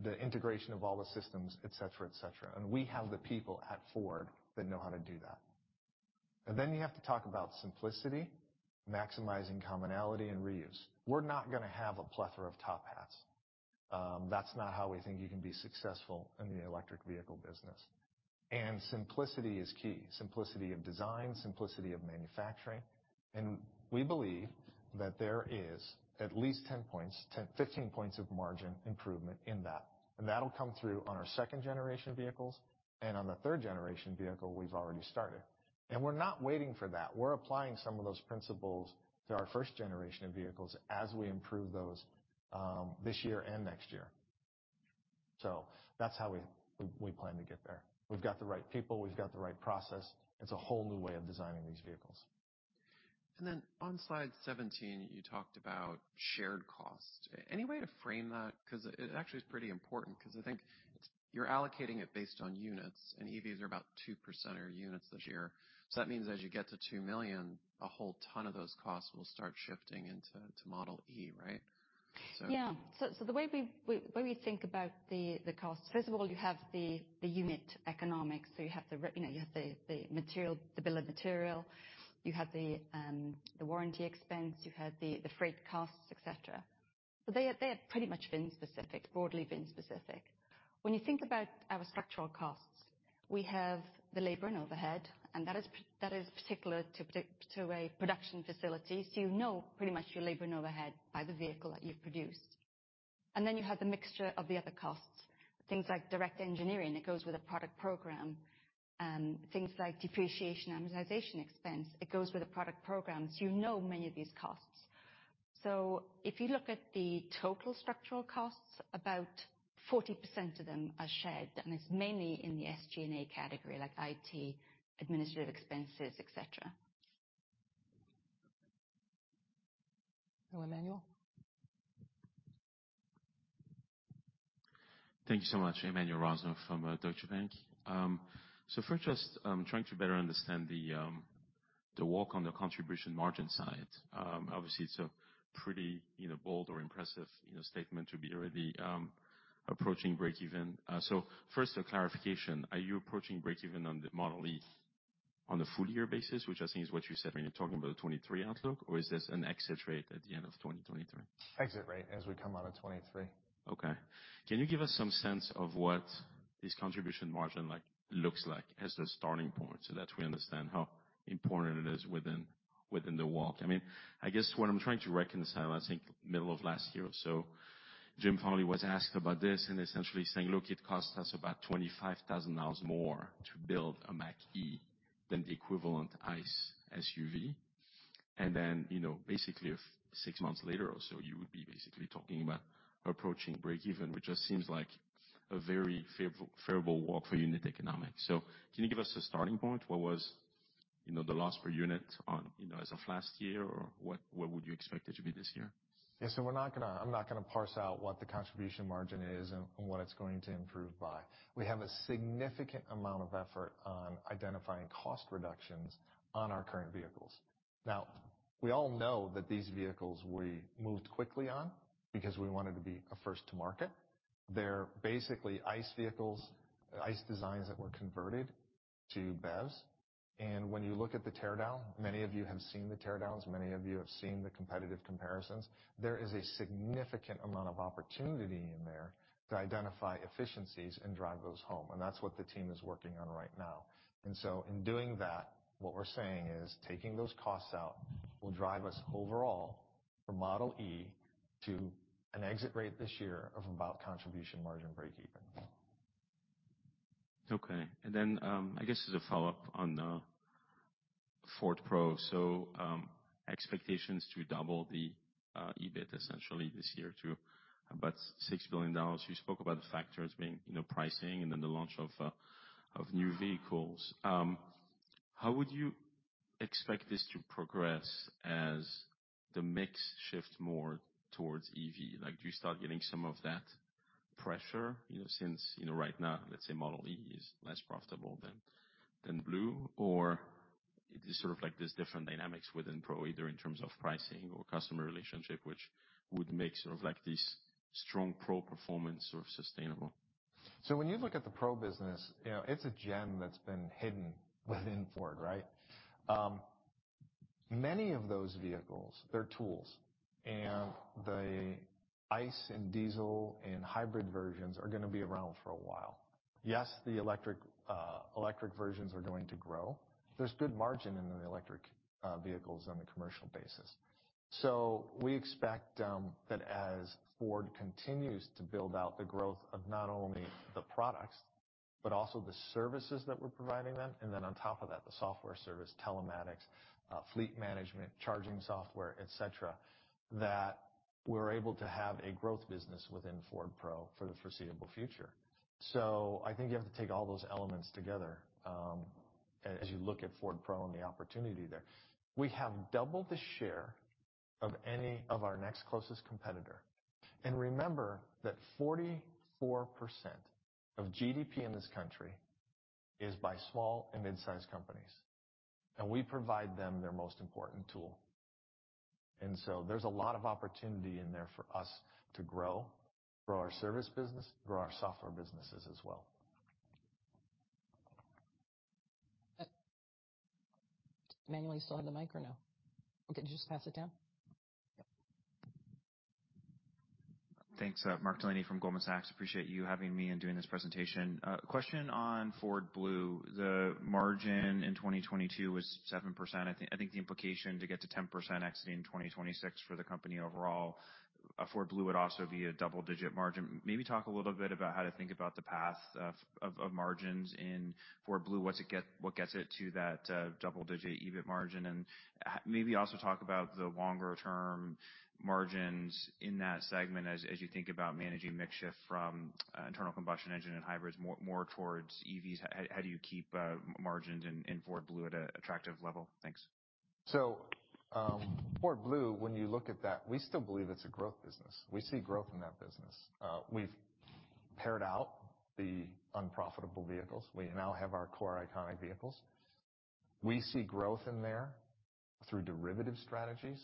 the integration of all the systems, et cetera, et cetera. We have the people at Ford that know how to do that. Then you have to talk about simplicity, maximizing commonality and reuse. We're not gonna have a plethora of top hats. That's not how we think you can be successful in the electric vehicle business. Simplicity is key, simplicity of design, simplicity of manufacturing. We believe that there is at least 10 points, 10, 15 points of margin improvement in that. That'll come through on our second generation vehicles and on the third generation vehicle we've already started. We're not waiting for that. We're applying some of those principles to our first generation of vehicles as we improve those this year and next year. That's how we plan to get there. We've got the right people. We've got the right process. It's a whole new way of designing these vehicles. On slide 17, you talked about shared cost. Any way to frame that? It actually is pretty important 'cause I think you're allocating it based on units, and EVs are about 2% of your units this year. That means as you get to 2 million, a whole ton of those costs will start shifting into Ford Model e, right? Yeah. The way we think about the cost, first of all, you have the unit economics. You have the, you know, the material, the bill of material. You have the warranty expense. You have the freight costs, et cetera. They are pretty much VIN-specific, broadly VIN-specific. When you think about our structural costs, we have the labor and overhead, and that is particular to a production facility. You know pretty much your labor and overhead by the vehicle that you've produced. You have the mixture of the other costs, things like direct engineering that goes with a product program, things like depreciation, amortization expense, it goes with the product programs. You know many of these costs. If you look at the total structural costs, about 40% of them are shared, and it's mainly in the SG&A category, like IT, administrative expenses, et cetera. Well, Emmanuel. Thank you so much. Emmanuel Rosner from Deutsche Bank. First just trying to better understand the walk on the contribution margin side. Obviously it's a pretty, you know, bold or impressive, you know, statement to be already approaching breakeven. So first a clarification. Are you approaching breakeven on the Model E? On a full year basis, which I think is what you said when you're talking about the 2023 outlook, or is this an exit rate at the end of 2023? Exit rate as we come out of 2023. Okay. Can you give us some sense of what this contribution margin like looks like as a starting point so that we understand how important it is within the walk? I mean, I guess what I'm trying to reconcile, I think middle of last year or so, Jim Farley was asked about this and essentially saying, "Look, it costs us about $25,000 more to build a Mach-E than the equivalent ICE SUV." You know, basically 6 months later or so, you would be basically talking about approaching breakeven, which just seems like a very favorable walk for unit economics. Can you give us a starting point? What was, you know, the loss per unit on, you know, as of last year, or what would you expect it to be this year? Yeah. We're not gonna parse out what the contribution margin is and what it's going to improve by. We have a significant amount of effort on identifying cost reductions on our current vehicles. Now, we all know that these vehicles we moved quickly on because we wanted to be a first to market. They're basically ICE vehicles, ICE designs that were converted to BEVs. When you look at the teardown, many of you have seen the teardowns, many of you have seen the competitive comparisons. There is a significant amount of opportunity in there to identify efficiencies and drive those home, and that's what the team is working on right now. In doing that, what we're saying is, taking those costs out will drive us overall from Ford Model e to an exit rate this year of about contribution margin breakeven. Okay. I guess as a follow-up on Ford Pro. Expectations to double the EBIT essentially this year to about $6 billion. You spoke about the factors being, you know, pricing and then the launch of new vehicles. How would you expect this to progress as the mix shifts more towards EV? Like, do you start getting some of that pressure, you know, since, you know, right now, let's say Model e is less profitable than Blue? Is it sort of like there's different dynamics within Pro, either in terms of pricing or customer relationship, which would make sort of like this strong Pro performance sort of sustainable? When you look at the Pro business, you know, it's a gem that's been hidden within Ford, right? Many of those vehicles, they're tools, and the ICE and diesel and hybrid versions are gonna be around for a while. The electric versions are going to grow. There's good margin in the electric vehicles on a commercial basis. We expect that as Ford continues to build out the growth of not only the products but also the services that we're providing them, and then on top of that, the software service, telematics, fleet management, charging software, et cetera, that we're able to have a growth business within Ford Pro for the foreseeable future. I think you have to take all those elements together as you look at Ford Pro and the opportunity there. We have double the share of any of our next closest competitor. Remember that 44% of GDP in this country is by small and mid-sized companies, and we provide them their most important tool. There's a lot of opportunity in there for us to grow our service business, grow our software businesses as well. Emmanuel, you still have the mic or no? Did you just pass it down? Yep. Thanks. Mark Delaney from Goldman Sachs. Appreciate you having me and doing this presentation. Question on Ford Blue. The margin in 2022 was 7%. I think the implication to get to 10% exiting 2026 for the company overall, Ford Blue would also be a double-digit margin. Maybe talk a little bit about how to think about the path of margins in Ford Blue. What gets it to that double-digit EBIT margin? Maybe also talk about the longer-term margins in that segment as you think about managing mix shift from internal combustion engine and hybrids more towards EVs. How do you keep margins in Ford Blue at an attractive level? Thanks. Ford Blue, when you look at that, we still believe it's a growth business. We see growth in that business. We've paired out the unprofitable vehicles. We now have our core iconic vehicles. We see growth in there through derivative strategies.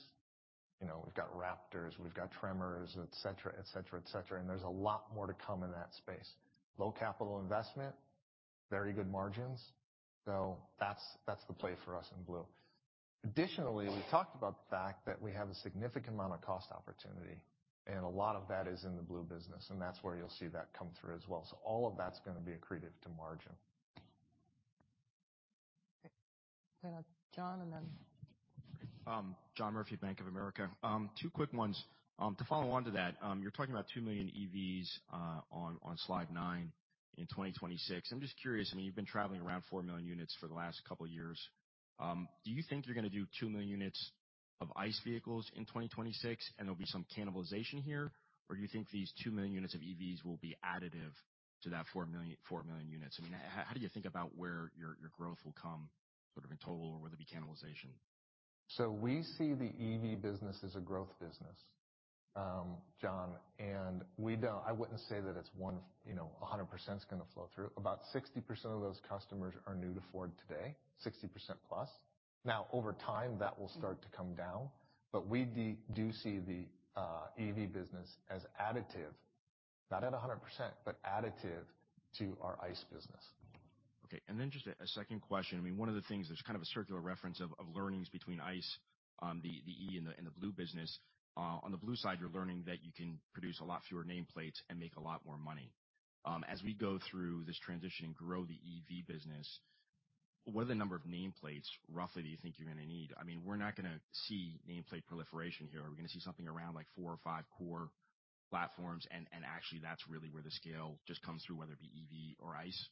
You know, we've got Raptors, we've got Tremors, et cetera, et cetera, et cetera, and there's a lot more to come in that space. Low capital investment, very good margins. That's the play for us in Blue. Additionally, we talked about the fact that we have a significant amount of cost opportunity, and a lot of that is in the Blue business, and that's where you'll see that come through as well. All of that's gonna be accretive to margin. Okay. We go John and then- John Murphy, Bank of America. Two quick ones. To follow on to that, you're talking about 2 million EVs on slide nine in 2026. I'm just curious, I mean, you've been traveling around 4 million units for the last couple years. Do you think you're gonna do 2 million units of ICE vehicles in 2026 and there'll be some cannibalization here? Or do you think these 2 million units of EVs will be additive to that 4 million units? I mean, how do you think about where your growth will come, sort of in total, or whether it be cannibalization? We see the EV business as a growth business, John, and I wouldn't say that it's one, you know, 100% is gonna flow through. About 60% of those customers are new to Ford today, 60% plus. Now, over time, that will start to come down, but we do see the EV business as additive, not at 100%, but additive to our ICE business. Okay. Just a second question. I mean, one of the things, there's kind of a circular reference of learnings between ICE, the E and the Blue business. On the Blue side, you're learning that you can produce a lot fewer nameplates and make a lot more money. As we go through this transition and grow the EV business, what are the number of nameplates roughly do you think you're gonna need? I mean, we're not gonna see nameplate proliferation here. Are we gonna see something around like four or five core platforms, and actually that's really where the scale just comes through, whether it be EV or ICE?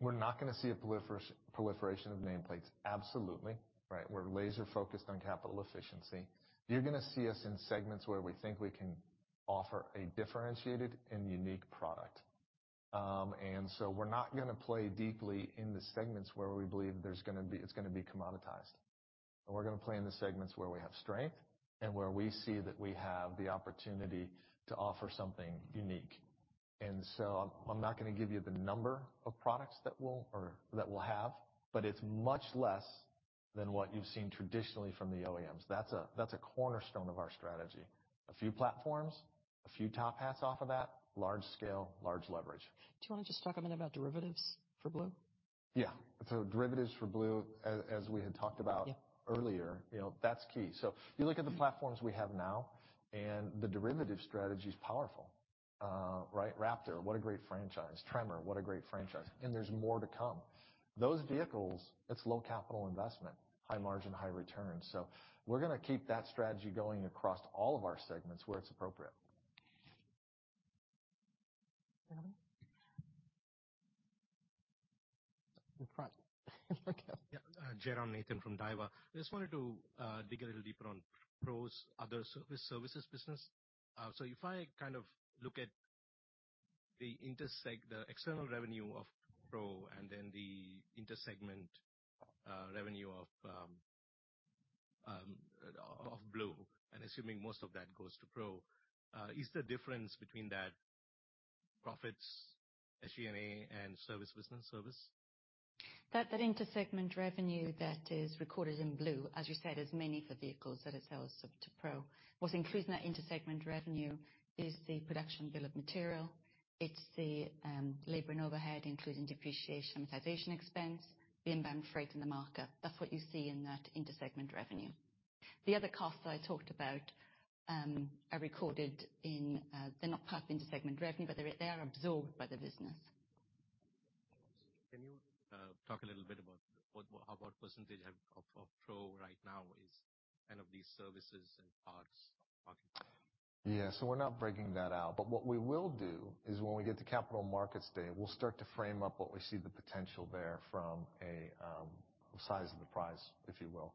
We're not gonna see a proliferation of nameplates, absolutely. Right? We're laser-focused on capital efficiency. You're gonna see us in segments where we think we can offer a differentiated and unique product. We're not gonna play deeply in the segments where we believe it's gonna be commoditized. We're gonna play in the segments where we have strength and where we see that we have the opportunity to offer something unique. I'm not gonna give you the number of products that we'll have, but it's much less than what you've seen traditionally from the OEMs. That's a cornerstone of our strategy. A few platforms, a few top hats off of that, large scale, large leverage. Do you wanna just talk a minute about derivatives for Blue? Yeah. derivatives for Blue, as we had talked about. Yeah Earlier, you know, that's key. You look at the platforms we have now, and the derivative strategy's powerful. Right? Raptor, what a great franchise. Tremor, what a great franchise. There's more to come. Those vehicles, it's low capital investment, high margin, high return. We're gonna keep that strategy going across all of our segments where it's appropriate. anybody? In front. Yeah. Jairam Nathan from Daiwa. I just wanted to dig a little deeper on Pro's other service, services business. If I kind of look at the external revenue of Pro and then the intersegment revenue of Blue, assuming most of that goes to Pro, is the difference between that profits, SG&A and service, business service? That intersegment revenue that is recorded in Blue, as you said, is mainly for vehicles that it sells to Pro. What's included in that intersegment revenue is the production bill of material, it's the labor and overhead, including depreciation, amortization expense, the inbound freight and the marker. That's what you see in that intersegment revenue. The other costs that I talked about are recorded in, they're not part of intersegment revenue, but they are absorbed by the business. Can you talk a little bit about what about percentage of Pro right now is kind of these services and parts? Yeah. We're not breaking that out. What we will do is when we get to Capital Markets Day, we'll start to frame up what we see the potential there from a, size of the prize, if you will.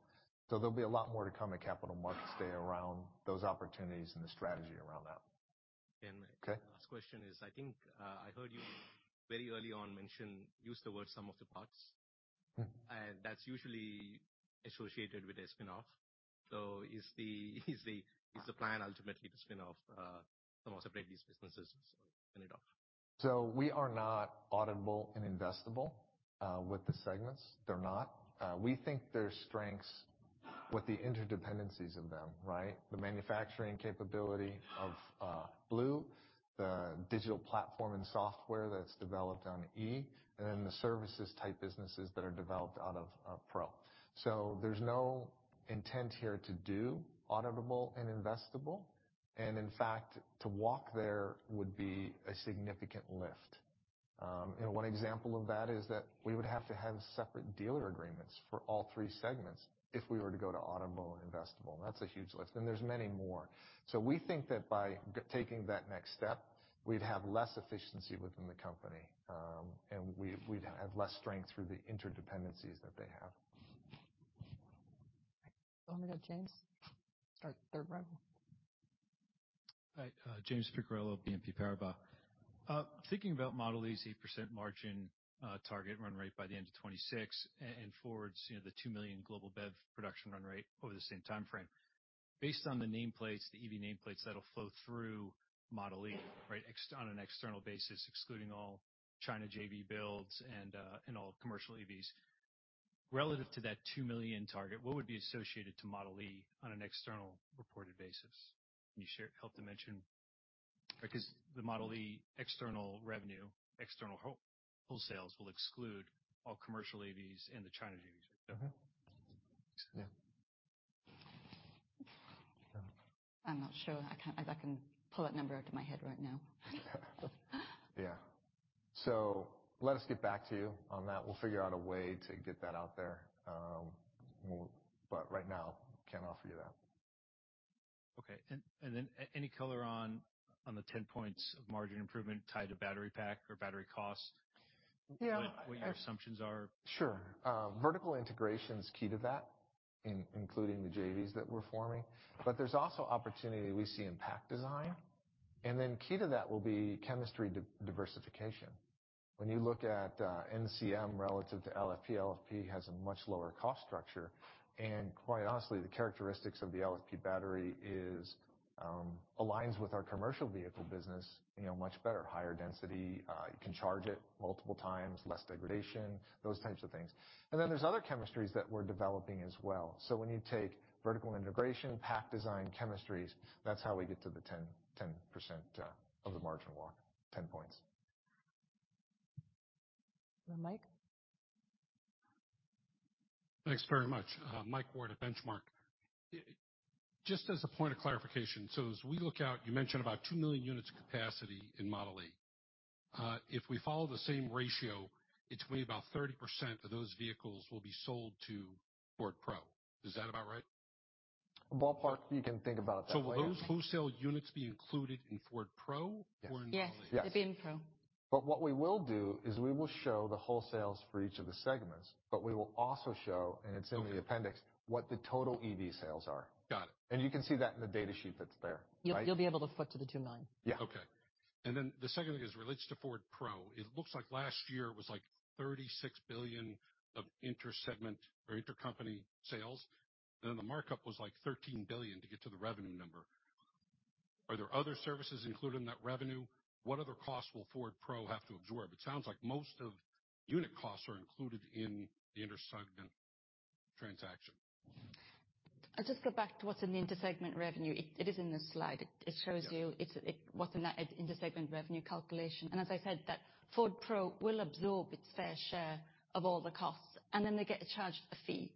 There'll be a lot more to come at Capital Markets Day around those opportunities and the strategy around that. And- Okay... my last question is, I think, I heard you very early on mention, use the word sum-of-the-parts. Mm-hmm. That's usually associated with a spinoff. Is the plan ultimately to spin off or separate these businesses and spin it off? We are not auditable and investable with the segments. They're not. We think their strengths with the interdependencies of them, right? The manufacturing capability of Ford Blue, the digital platform and software that's developed on Ford Model e, and then the services type businesses that are developed out of Ford Pro. There's no intent here to do auditable and investable, and in fact, to walk there would be a significant lift. One example of that is that we would have to have separate dealer agreements for all three segments if we were to go to auditable and investable. That's a huge lift. There's many more. We think that by taking that next step, we'd have less efficiency within the company, and we'd have less strength through the interdependencies that they have. Want to go James? Start third row. Hi, James Picariello, BNP Paribas. Thinking about Model e's 8% margin, target run rate by the end of 2026 and Ford's, you know, the 2 million global BEV production run rate over the same timeframe. Based on the nameplates, the EV nameplates that'll flow through Model e, right, on an external basis, excluding all China JV builds and all commercial EVs, relative to that 2 million target, what would be associated to Model e on an external reported basis? Can you share, help dimension? The Model e external revenue, external wholesales will exclude all commercial EVs in the China JVs. Mm-hmm. Yeah. I'm not sure I can pull that number out of my head right now. Yeah. Let us get back to you on that. We'll figure out a way to get that out there. But right now, can't offer you that. Okay. Then any color on the 10 points of margin improvement tied to battery pack or battery cost? Yeah. What your assumptions are? Sure. Vertical integration is key to that, including the JVs that we're forming, there's also opportunity we see in pack design, key to that will be chemistry diversification. When you look at NCM relative to LFP has a much lower cost structure, quite honestly, the characteristics of the LFP battery is, aligns with our commercial vehicle business, you know, much better, higher density. You can charge it multiple times, less degradation, those types of things. There's other chemistries that we're developing as well. When you take vertical integration, pack design, chemistries, that's how we get to the 10% of the margin walk, 10 points. Mike? Thanks very much, Mike Ward at Benchmark. Just as a point of clarification, as we look out, you mentioned about 2 million units capacity in Model e. If we follow the same ratio, it's way about 30% of those vehicles will be sold to Ford Pro. Is that about right? Ballpark, you can think about it that way. Will those wholesale units be included in Ford Pro or in Model e? Yes, they'll be in Pro. What we will do is we will show the wholesales for each of the segments, but we will also show, and it's in the appendix, what the total EV sales are. Got it. You can see that in the data sheet that's there, right? You'll be able to foot to the $2 million. Yeah. Okay. The second is relates to Ford Pro. It looks like last year was, like, $36 billion of inter-segment or intercompany sales. The markup was, like, $13 billion to get to the revenue number. Are there other services included in that revenue? What other costs will Ford Pro have to absorb? It sounds like most of unit costs are included in the inter-segment transaction. I'll just go back to what's in the inter-segment revenue. It is in the slide. It shows you. Yeah. It's what's in that inter-segment revenue calculation. As I said that Ford Pro will absorb its fair share of all the costs, and then they get charged a fee.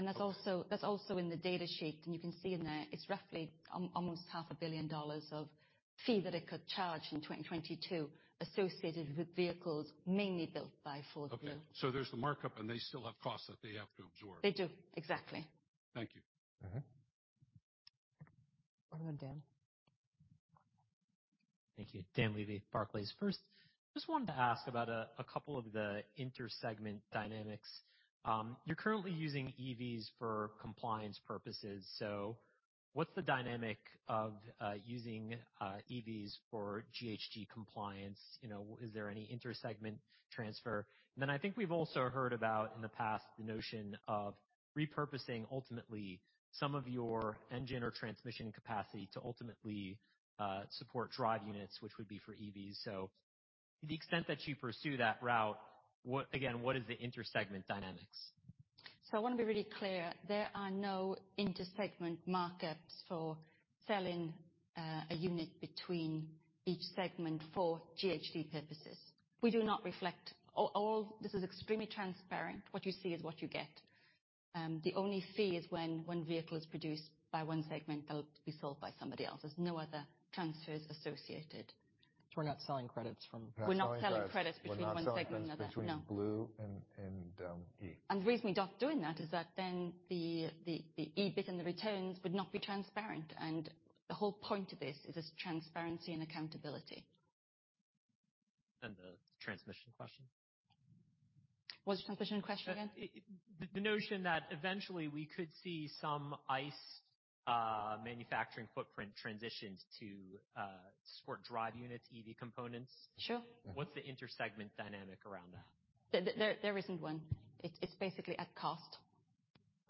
That's also in the data sheet, and you can see in there it's roughly almost half a billion dollars of fee that it could charge in 2022 associated with vehicles mainly built by Ford Blue. Okay, there's the markup, and they still have costs that they have to absorb. They do, exactly. Thank you. Mm-hmm. Over to Dan. Thank you. Dan Levy, Barclays. First, just wanted to ask about a couple of the inter-segment dynamics. You're currently using EVs for compliance purposes, so what's the dynamic of using EVs for GHG compliance? You know, is there any inter-segment transfer? I think we've also heard about in the past the notion of repurposing ultimately some of your engine or transmission capacity to ultimately support drive units, which would be for EVs. To the extent that you pursue that route, again, what is the inter-segment dynamics? I wanna be really clear. There are no inter-segment markups for selling a unit between each segment for GHG purposes. We do not reflect. This is extremely transparent. What you see is what you get. The only fee is when one vehicle is produced by one segment that'll be sold by somebody else. There's no other transfers associated. We're not selling credits. We're not selling credits between one segment or another. We're not selling credits between Ford Blue and Ford Model e. The reason we don't doing that is that then the EBIT and the returns would not be transparent, and the whole point of this is this transparency and accountability. The transmission question? What's the transmission question again? The notion that eventually we could see some ICE manufacturing footprint transitioned to sport drive units, EV components. Sure. Mm-hmm. What's the inter-segment dynamic around that? There isn't one. It's basically at cost.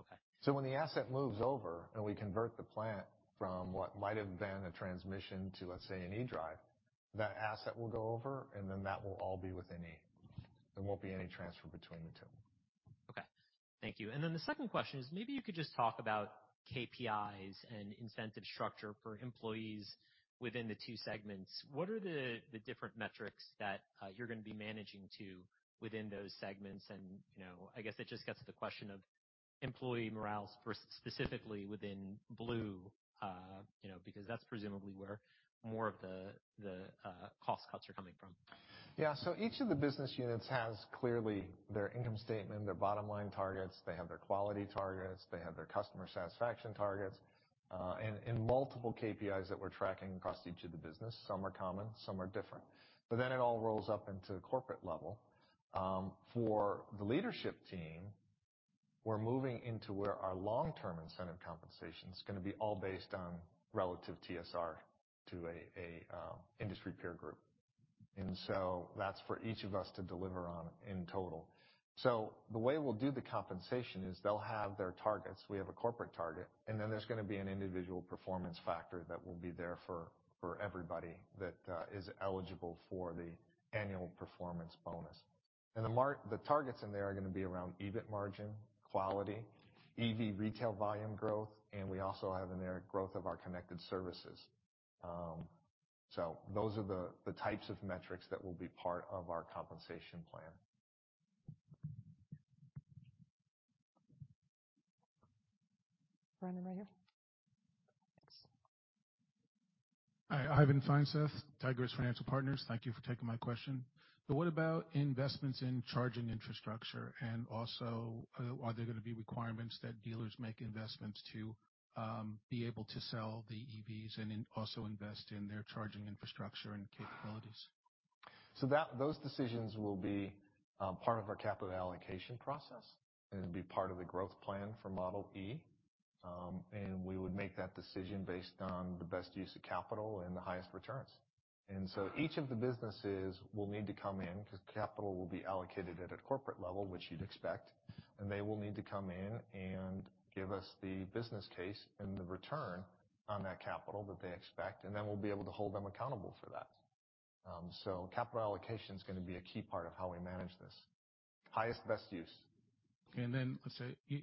Okay. When the asset moves over and we convert the plant from what might have been a transmission to, let's say, an E-drive, that asset will go over and then that will all be within Model e. There won't be any transfer between the two. Okay. Thank you. The second question is maybe you could just talk about KPIs and incentive structure for employees within the two segments. What are the different metrics that you're gonna be managing to within those segments? You know, I guess it just gets to the question of employee morale specifically within Ford Blue, you know, because that's presumably where more of the cost cuts are coming from. Yeah. Each of the business units has clearly their income statement, their bottom line targets, they have their quality targets, they have their customer satisfaction targets, and multiple KPIs that we're tracking across each of the business. Some are common, some are different. It all rolls up into corporate level. For the leadership team, we're moving into where our long-term incentive compensation is gonna be all based on relative TSR to an industry peer group. That's for each of us to deliver on in total. The way we'll do the compensation is they'll have their targets, we have a corporate target, and then there's gonna be an individual performance factor that will be there for everybody that is eligible for the annual performance bonus. The targets in there are gonna be around EBIT margin, quality, EV retail volume growth, and we also have in there growth of our connected services. Those are the types of metrics that will be part of our compensation plan. Brandon, right here. Thanks. Hi, Ivan Feinseth, Tigress Financial Partners. Thank you for taking my question. What about investments in charging infrastructure? Also, are there gonna be requirements that dealers make investments to be able to sell the EVs and then also invest in their charging infrastructure and capabilities? Those decisions will be part of our capital allocation process and be part of the growth plan for Model e. We would make that decision based on the best use of capital and the highest returns. Each of the businesses will need to come in 'cause capital will be allocated at a corporate level, which you'd expect, and they will need to come in and give us the business case and the return on that capital that they expect, and then we'll be able to hold them accountable for that. Capital allocation is gonna be a key part of how we manage this. Highest, best use. Let's say you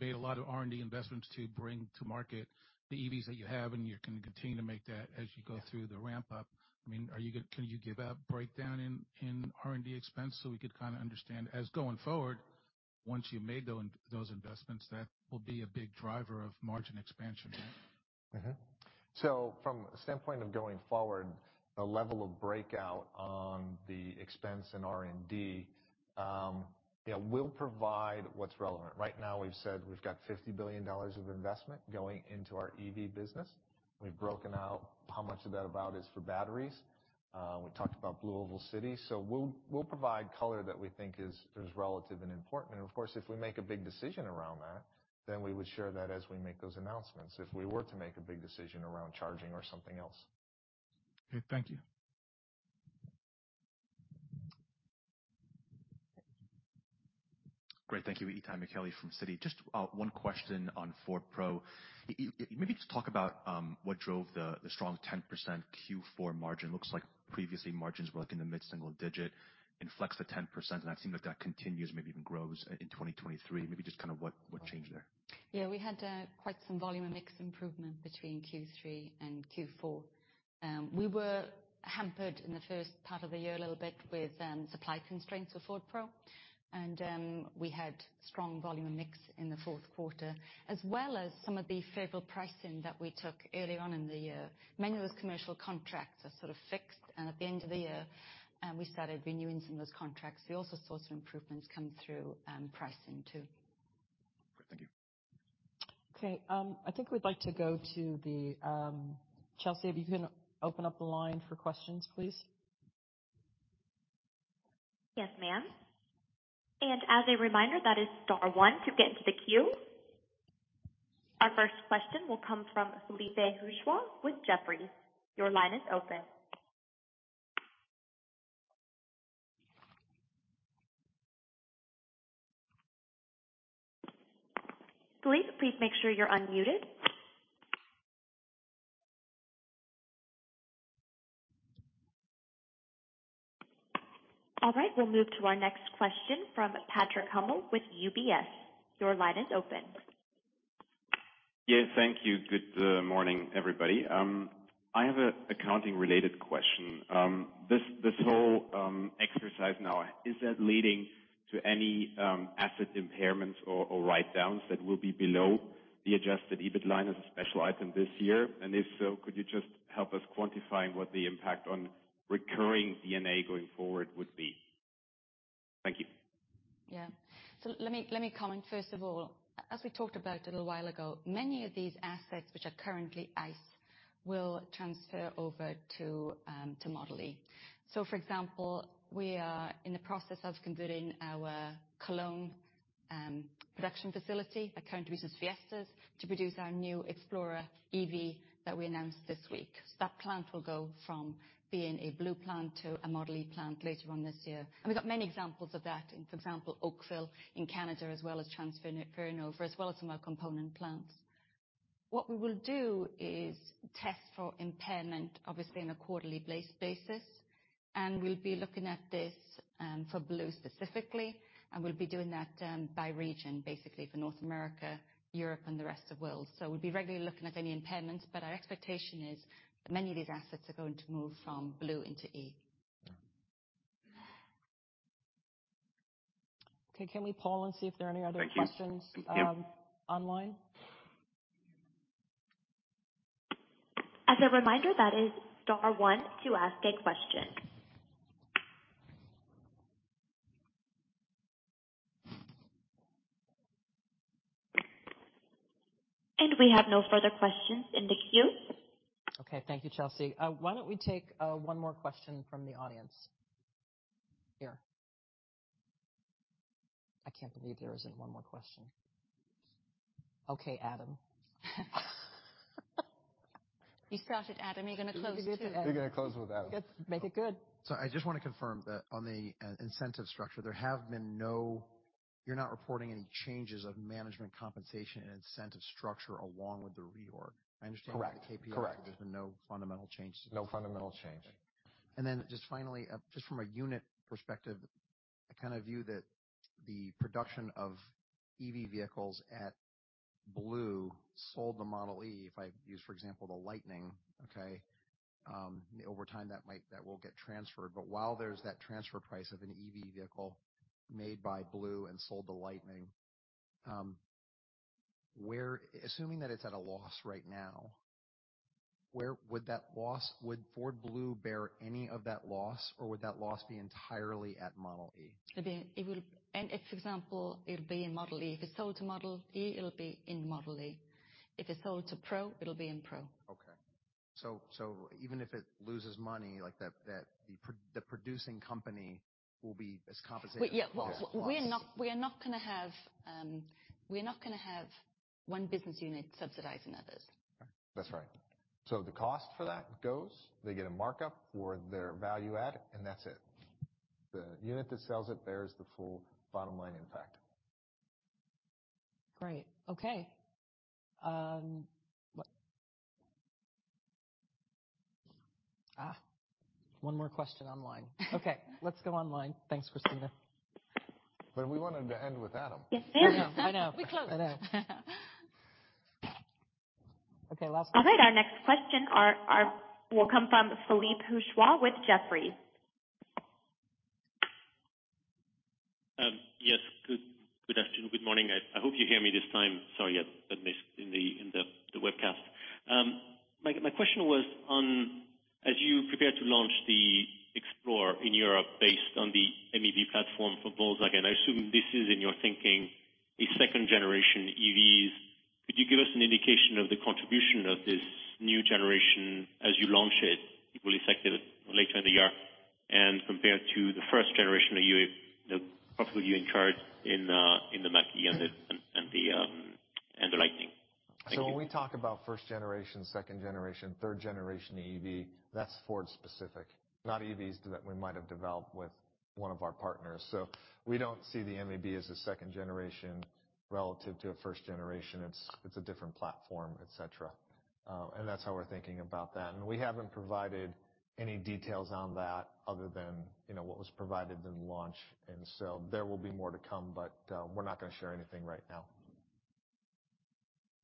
made a lot of R&D investments to bring to market the EVs that you have, and you're gonna continue to make that as you go through the ramp up. I mean, can you give a breakdown in R&D expense so we could kinda understand as going forward, once you've made those investments, that will be a big driver of margin expansion, right? From the standpoint of going forward, the level of breakout on the expense in R&D, yeah, we'll provide what's relevant. Right now, we've said we've got $50 billion of investment going into our EV business. We've broken out how much of that about is for batteries. We talked about BlueOval City. We'll provide color that we think is relative and important. Of course, if we make a big decision around that, then we would share that as we make those announcements if we were to make a big decision around charging or something else. Okay, thank you. Great. Thank you. Itay Michaeli from Citi. Just one question on Ford Pro. Maybe just talk about what drove the strong 10% Q4 margin. Looks like previously margins were like in the mid-single digit. In flex at 10%, and that seemed like that continues, maybe even grows in 2023. Maybe just kinda what changed there? Yeah, we had quite some volume and mix improvement between Q3 and Q4. We were hampered in the first part of the year a little bit with supply constraints for Ford Pro. We had strong volume and mix in the Q4, as well as some of the favorable pricing that we took early on in the year. Many of those commercial contracts are sort of fixed, and at the end of the year, we started renewing some of those contracts. We also saw some improvements come through pricing too. Great. Thank you. Okay, I think we'd like to go to the... Chelsea, if you can open up the line for questions, please. Yes, ma'am. As a reminder, that is star one to get into the queue. Our first question will come from Philippe Houchois with Jefferies. Your line is open. Philippe, please make sure you're unmuted. All right, we'll move to our next question from Patrick Hummel with UBS. Your line is open. Yeah, thank you. Good morning, everybody. I have a accounting related question. This, this whole exercise now, is that leading to any asset impairments or write downs that will be below the adjusted EBIT line as a special item this year? If so, could you just help us quantify what the impact on recurring D&A going forward would be? Thank you. Yeah. Let me, let me comment, first of all. As we talked about a little while ago, many of these assets which are currently ICE will transfer over to Model e. For example, we are in the process of converting our Cologne, production facility that currently produces Fiestas to produce our new Explorer EV that we announced this week. That plant will go from being a Blue plant to a Model e plant later on this year. We've got many examples of that. For example, Oakville in Canada, as well as transferring it over, as well as some of our component plants. What we will do is test for impairment, obviously, on a quarterly basis. We'll be looking at this for Blue specifically. We'll be doing that by region, basically for North America, Europe and the rest of world. We'll be regularly looking at any impairments, but our expectation is that many of these assets are going to move from Blue into E. Okay. Can we poll and see if there are any other questions? Thank you. online? As a reminder, that is star one to ask a question. We have no further questions in the queue. Okay. Thank you, Chelsea. why don't we take one more question from the audience? Here. I can't believe there isn't one more question. Okay, Adam. You sprouted, Adam. Are you gonna close too? You're gonna close with Adam. Let's make it good. I just wanna confirm that on the incentive structure, there have been no. You're not reporting any changes of management compensation and incentive structure along with the reorg? Correct. I understand the KPI. Correct. There's been no fundamental changes. No fundamental change. Just finally, just from a unit perspective, I kinda view that the production of EV vehicles at Blue sold to Model e, if I use, for example, the Lightning, okay, over time, that will get transferred. While there's that transfer price of an EV vehicle made by Blue and sold to Lightning, where assuming that it's at a loss right now, where would that loss, would Ford Blue bear any of that loss, or would that loss be entirely at Model e? It will. In this example, it'll be in Model e. If it's sold to Model e, it'll be in Model e. If it's sold to Pro, it'll be in Pro. Okay. Even if it loses money, like, that, the producing company will be as compensated. Well, yeah. Yes. We're not gonna have one business unit subsidizing others. That's right. The cost for that goes. They get a markup for their value add, and that's it. The unit that sells it bears the full bottom line impact. Great. Okay. One more question online. Okay, let's go online. Thanks, Christina. We wanted to end with Adam. I know, I know. We close. I know. Okay, last question. All right, our next question will come from Philippe Houchois with Jefferies. Yes, good afternoon, good morning. I hope you hear me this time. Sorry, I've been missed in the webcast. My question was on as you prepare to launch the Explorer in Europe based on the MEB platform for Volkswagen, I assume this is in your thinking, a second generation EVs. Could you give us an indication of the contribution of this new generation as you launch it, hopefully later in the year, and compared to the first generation of UE, you know, possibly you in charge in the Mach-E and the Lightning. Thank you. When we talk about first-generation, second-generation, third-generation EV, that's Ford-specific, not EVs that we might have developed with one of our partners. We don't see the MEB as a second-generation relative to a first-generation. It's a different platform, et cetera. That's how we're thinking about that. We haven't provided any details on that other than, you know, what was provided in the launch. There will be more to come, but we're not gonna share anything right now.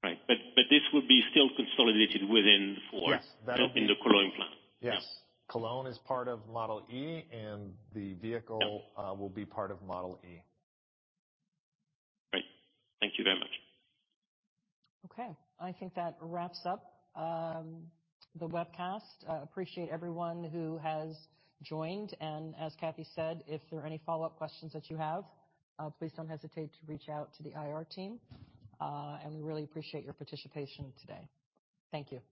Right. This would be still consolidated within Ford? Yes. In the Cologne plant. Yes. Cologne is part of Model e, and the vehicle- Yeah. will be part of Model e. Great. Thank you very much. Okay. I think that wraps up the webcast. I appreciate everyone who has joined. As Cathy said, if there are any follow-up questions that you have, please don't hesitate to reach out to the IR team. We really appreciate your participation today. Thank you.